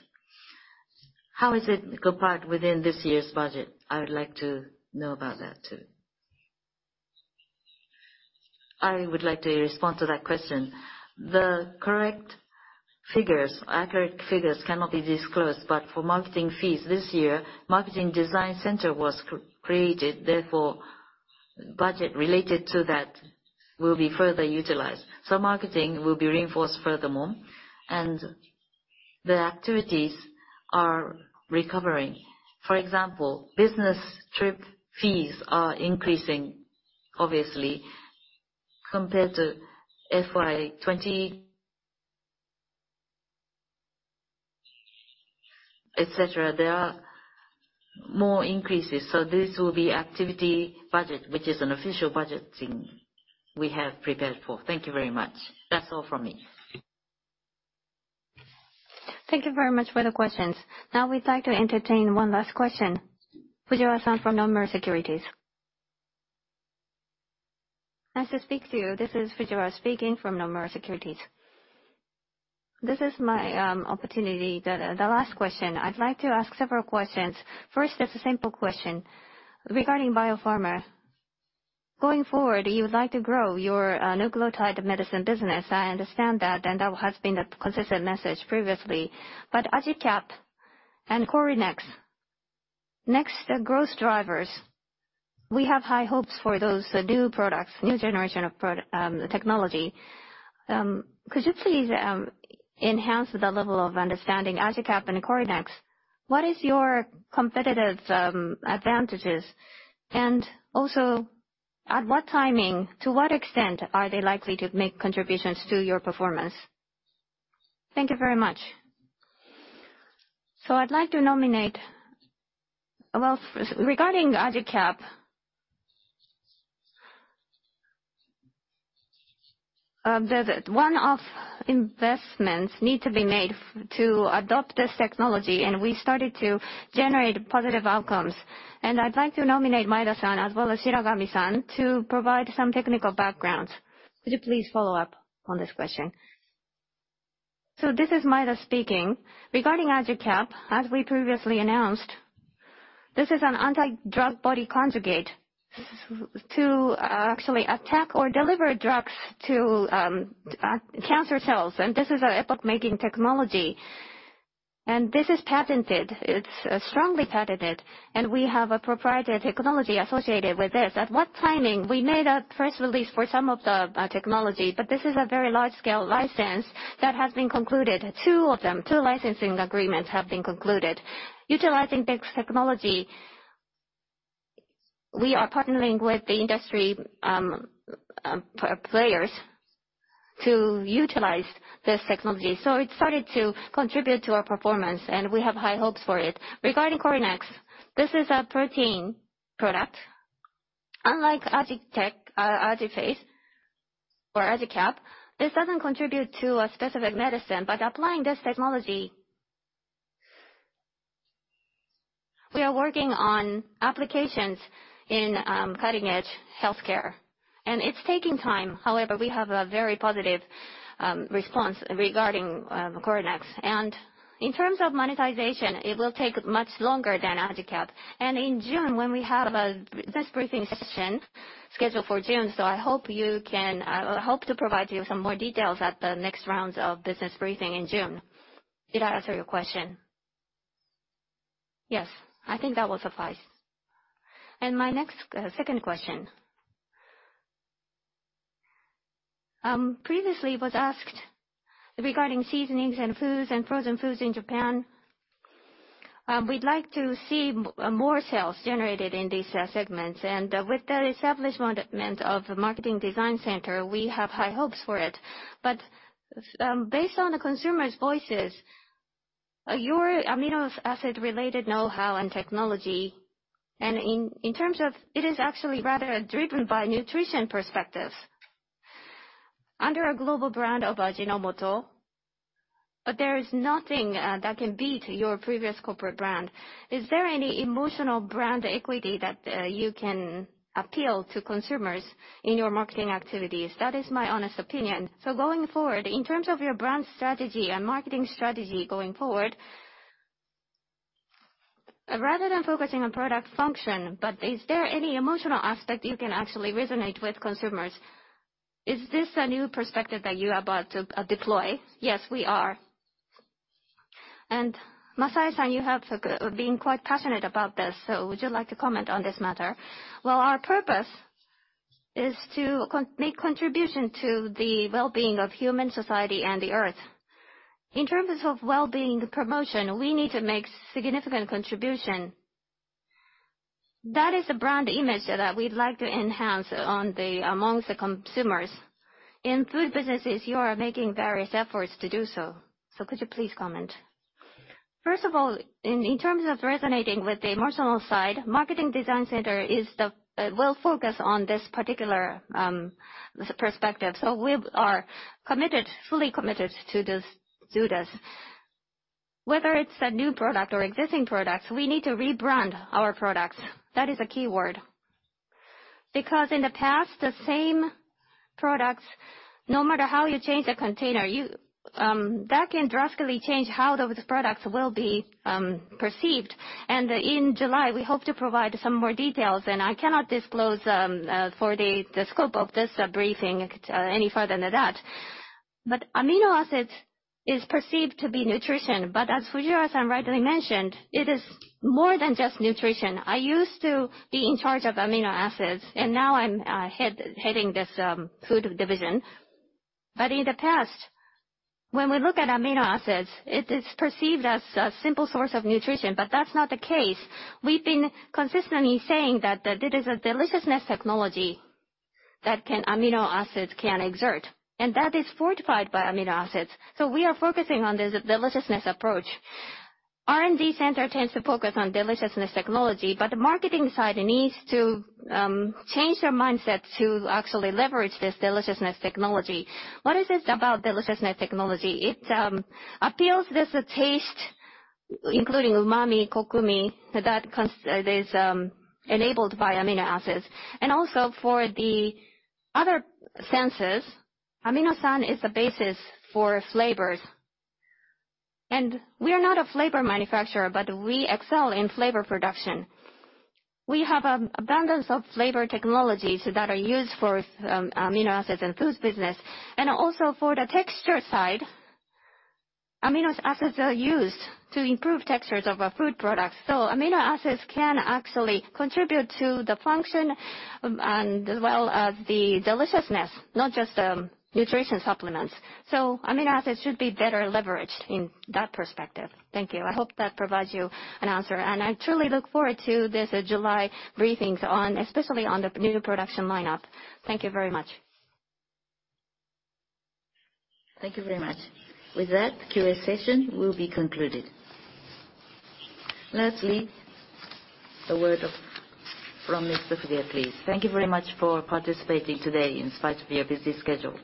How is it go part within this year's budget? I would like to know about that too. I would like to respond to that question. The correct figures, accurate figures cannot be disclosed. For marketing fees, this year, Marketing Design Center was created. Therefore, budget related to that will be further utilized. Marketing will be reinforced furthermore, and the activities are recovering. For example, business trip fees are increasing obviously compared to FY 2020 Et cetera. There are more increases. This will be activity budget, which is an official budget thing we have prepared for. Thank you very much. That's all from me. Thank you very much for the questions. We'd like to entertain one last question. Fujiwara-san from Nomura Securities. Nice to speak to you. This is Fujiwara speaking from Nomura Securities. This is my opportunity, the last question. I'd like to ask several questions. First, just a simple question. Regarding biopharma, going forward, you would like to grow your nucleotide medicine business. I understand that, and that has been a consistent message previously. AJICAP and CORYNEX, next growth drivers, we have high hopes for those new products, new generation of technology. Could you please enhance the level of understanding AJICAP and CORYNEX? What is your competitive advantages? Also, at what timing, to what extent are they likely to make contributions to your performance? Thank you very much. I'd like to nominate... Well, regarding AJICAP, the one-off investments need to be made to adopt this technology, and we started to generate positive outcomes. I'd like to nominate Maeda-san as well as Shiragami-san to provide some technical backgrounds. Could you please follow up on this question? This is Maeda speaking. Regarding AJICAP, as we previously announced, this is an Antibody-Drug Conjugate to actually attack or deliver drugs to cancer cells, and this is an epoch-making technology. This is patented. It's strongly patented, and we have a proprietary technology associated with this. At what timing, we made a press release for some of the technology, but this is a very large-scale license that has been concluded. Two of them, two licensing agreements have been concluded. Utilizing this technology, we are partnering with the industry players to utilize this technology. It started to contribute to our performance, and we have high hopes for it. Regarding CORYNEX, this is a protein product. Unlike AjiTech, AjiPhaSe or AJICAP, this doesn't contribute to a specific medicine. By applying this technology, we are working on applications in cutting-edge healthcare, and it's taking time. However, we have a very positive response regarding CORYNEX. In terms of monetization, it will take much longer than AJICAP. In June, when we have a business briefing session scheduled for June, I hope to provide you some more details at the next rounds of business briefing in June. Did I answer your question? Yes. I think that will suffice. My next, second question. Previously it was asked regarding seasonings and foods and frozen foods in Japan, we'd like to see more sales generated in these segments. With the establishment of a Marketing Design Center, we have high hopes for it. Based on the consumers' voices, your amino acid-related know-how and technology, in terms of it is actually rather driven by nutrition perspectives. Under a global brand of Ajinomoto, there is nothing that can beat your previous corporate brand. Is there any emotional brand equity that you can appeal to consumers in your marketing activities? That is my honest opinion. Going forward, in terms of your brand strategy and marketing strategy going forward, rather than focusing on product function, but is there any emotional aspect you can actually resonate with consumers? Is this a new perspective that you are about to deploy? Yes, we are. Masaya-san, you have, like, been quite passionate about this, so would you like to comment on this matter? Well, our purpose is to make contribution to the well-being of human society and the Earth. In terms of well-being promotion, we need to make significant contribution. That is a brand image that we'd like to enhance amongst the consumers. In food businesses, you are making various efforts to do so. Could you please comment? First of all, in terms of resonating with the emotional side, Marketing Design Center will focus on this particular perspective. We are committed, fully committed to this, do this. Whether it's a new product or existing products, we need to rebrand our products. That is a key word. In the past, the same products, no matter how you change the container, that can drastically change how those products will be perceived. In July, we hope to provide some more details, and I cannot disclose for the scope of this briefing any further than that. Amino acids is perceived to be nutrition. As Fujii-san rightly mentioned, it is more than just nutrition. I used to be in charge of amino acids, and now I'm heading this Food Products Division. In the past, when we look at amino acids, it is perceived as a simple source of nutrition, but that's not the case. We've been consistently saying that it is a deliciousness technology amino acids can exert, and that is fortified by amino acids. We are focusing on this deliciousness approach. R&D center tends to focus on deliciousness technology, but the marketing side needs to change their mindset to actually leverage this deliciousness technology. What is this about deliciousness technology? It appeals to the taste, including umami, kokumi, enabled by amino acids. Also for the other senses, AminoScience is the basis for flavors. We are not a flavor manufacturer, but we excel in flavor production. We have an abundance of flavor technologies that are used for amino acids and foods business. Also for the texture side, amino acids are used to improve textures of our food products. Amino acids can actually contribute to the function and as well, the deliciousness, not just nutrition supplements. Amino acids should be better leveraged in that perspective. Thank you. I hope that provides you an answer. I truly look forward to this July briefings on, especially on the new production lineup. Thank you very much. Thank you very much. With that, QA session will be concluded. Lastly, a word of from Mr. Fujii, please. Thank you very much for participating today in spite of your busy schedule.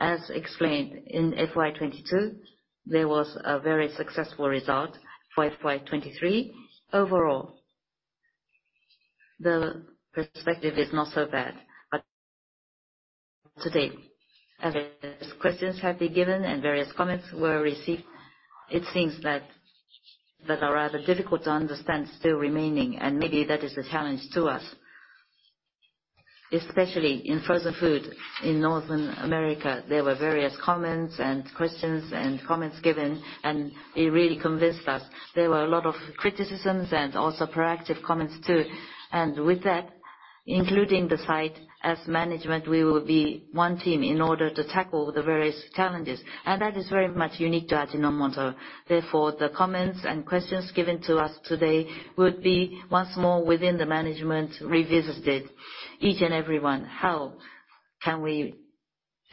As explained, in FY 2022, there was a very successful result. For FY 2023, overall, the perspective is not so bad. Today, as questions have been given and various comments were received, it seems that are rather difficult to understand still remaining, and maybe that is a challenge to us. Especially in frozen food in Northern America, there were various comments and questions and comments given, and it really convinced us. There were a lot of criticisms and also proactive comments too. With that, including the site, as management, we will be one team in order to tackle the various challenges. That is very much unique to Ajinomoto. Therefore, the comments and questions given to us today will be once more within the management revisited, each and every one. How can we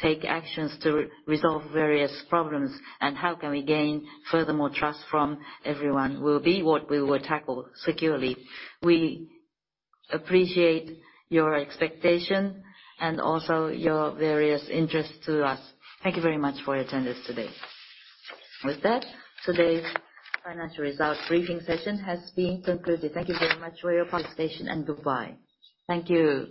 take actions to resolve various problems, and how can we gain furthermore trust from everyone will be what we will tackle securely. We appreciate your expectation and also your various interests to us. Thank you very much for your attendance today. With that, today's financial results briefing session has been concluded. Thank you very much for your participation, and goodbye. Thank you.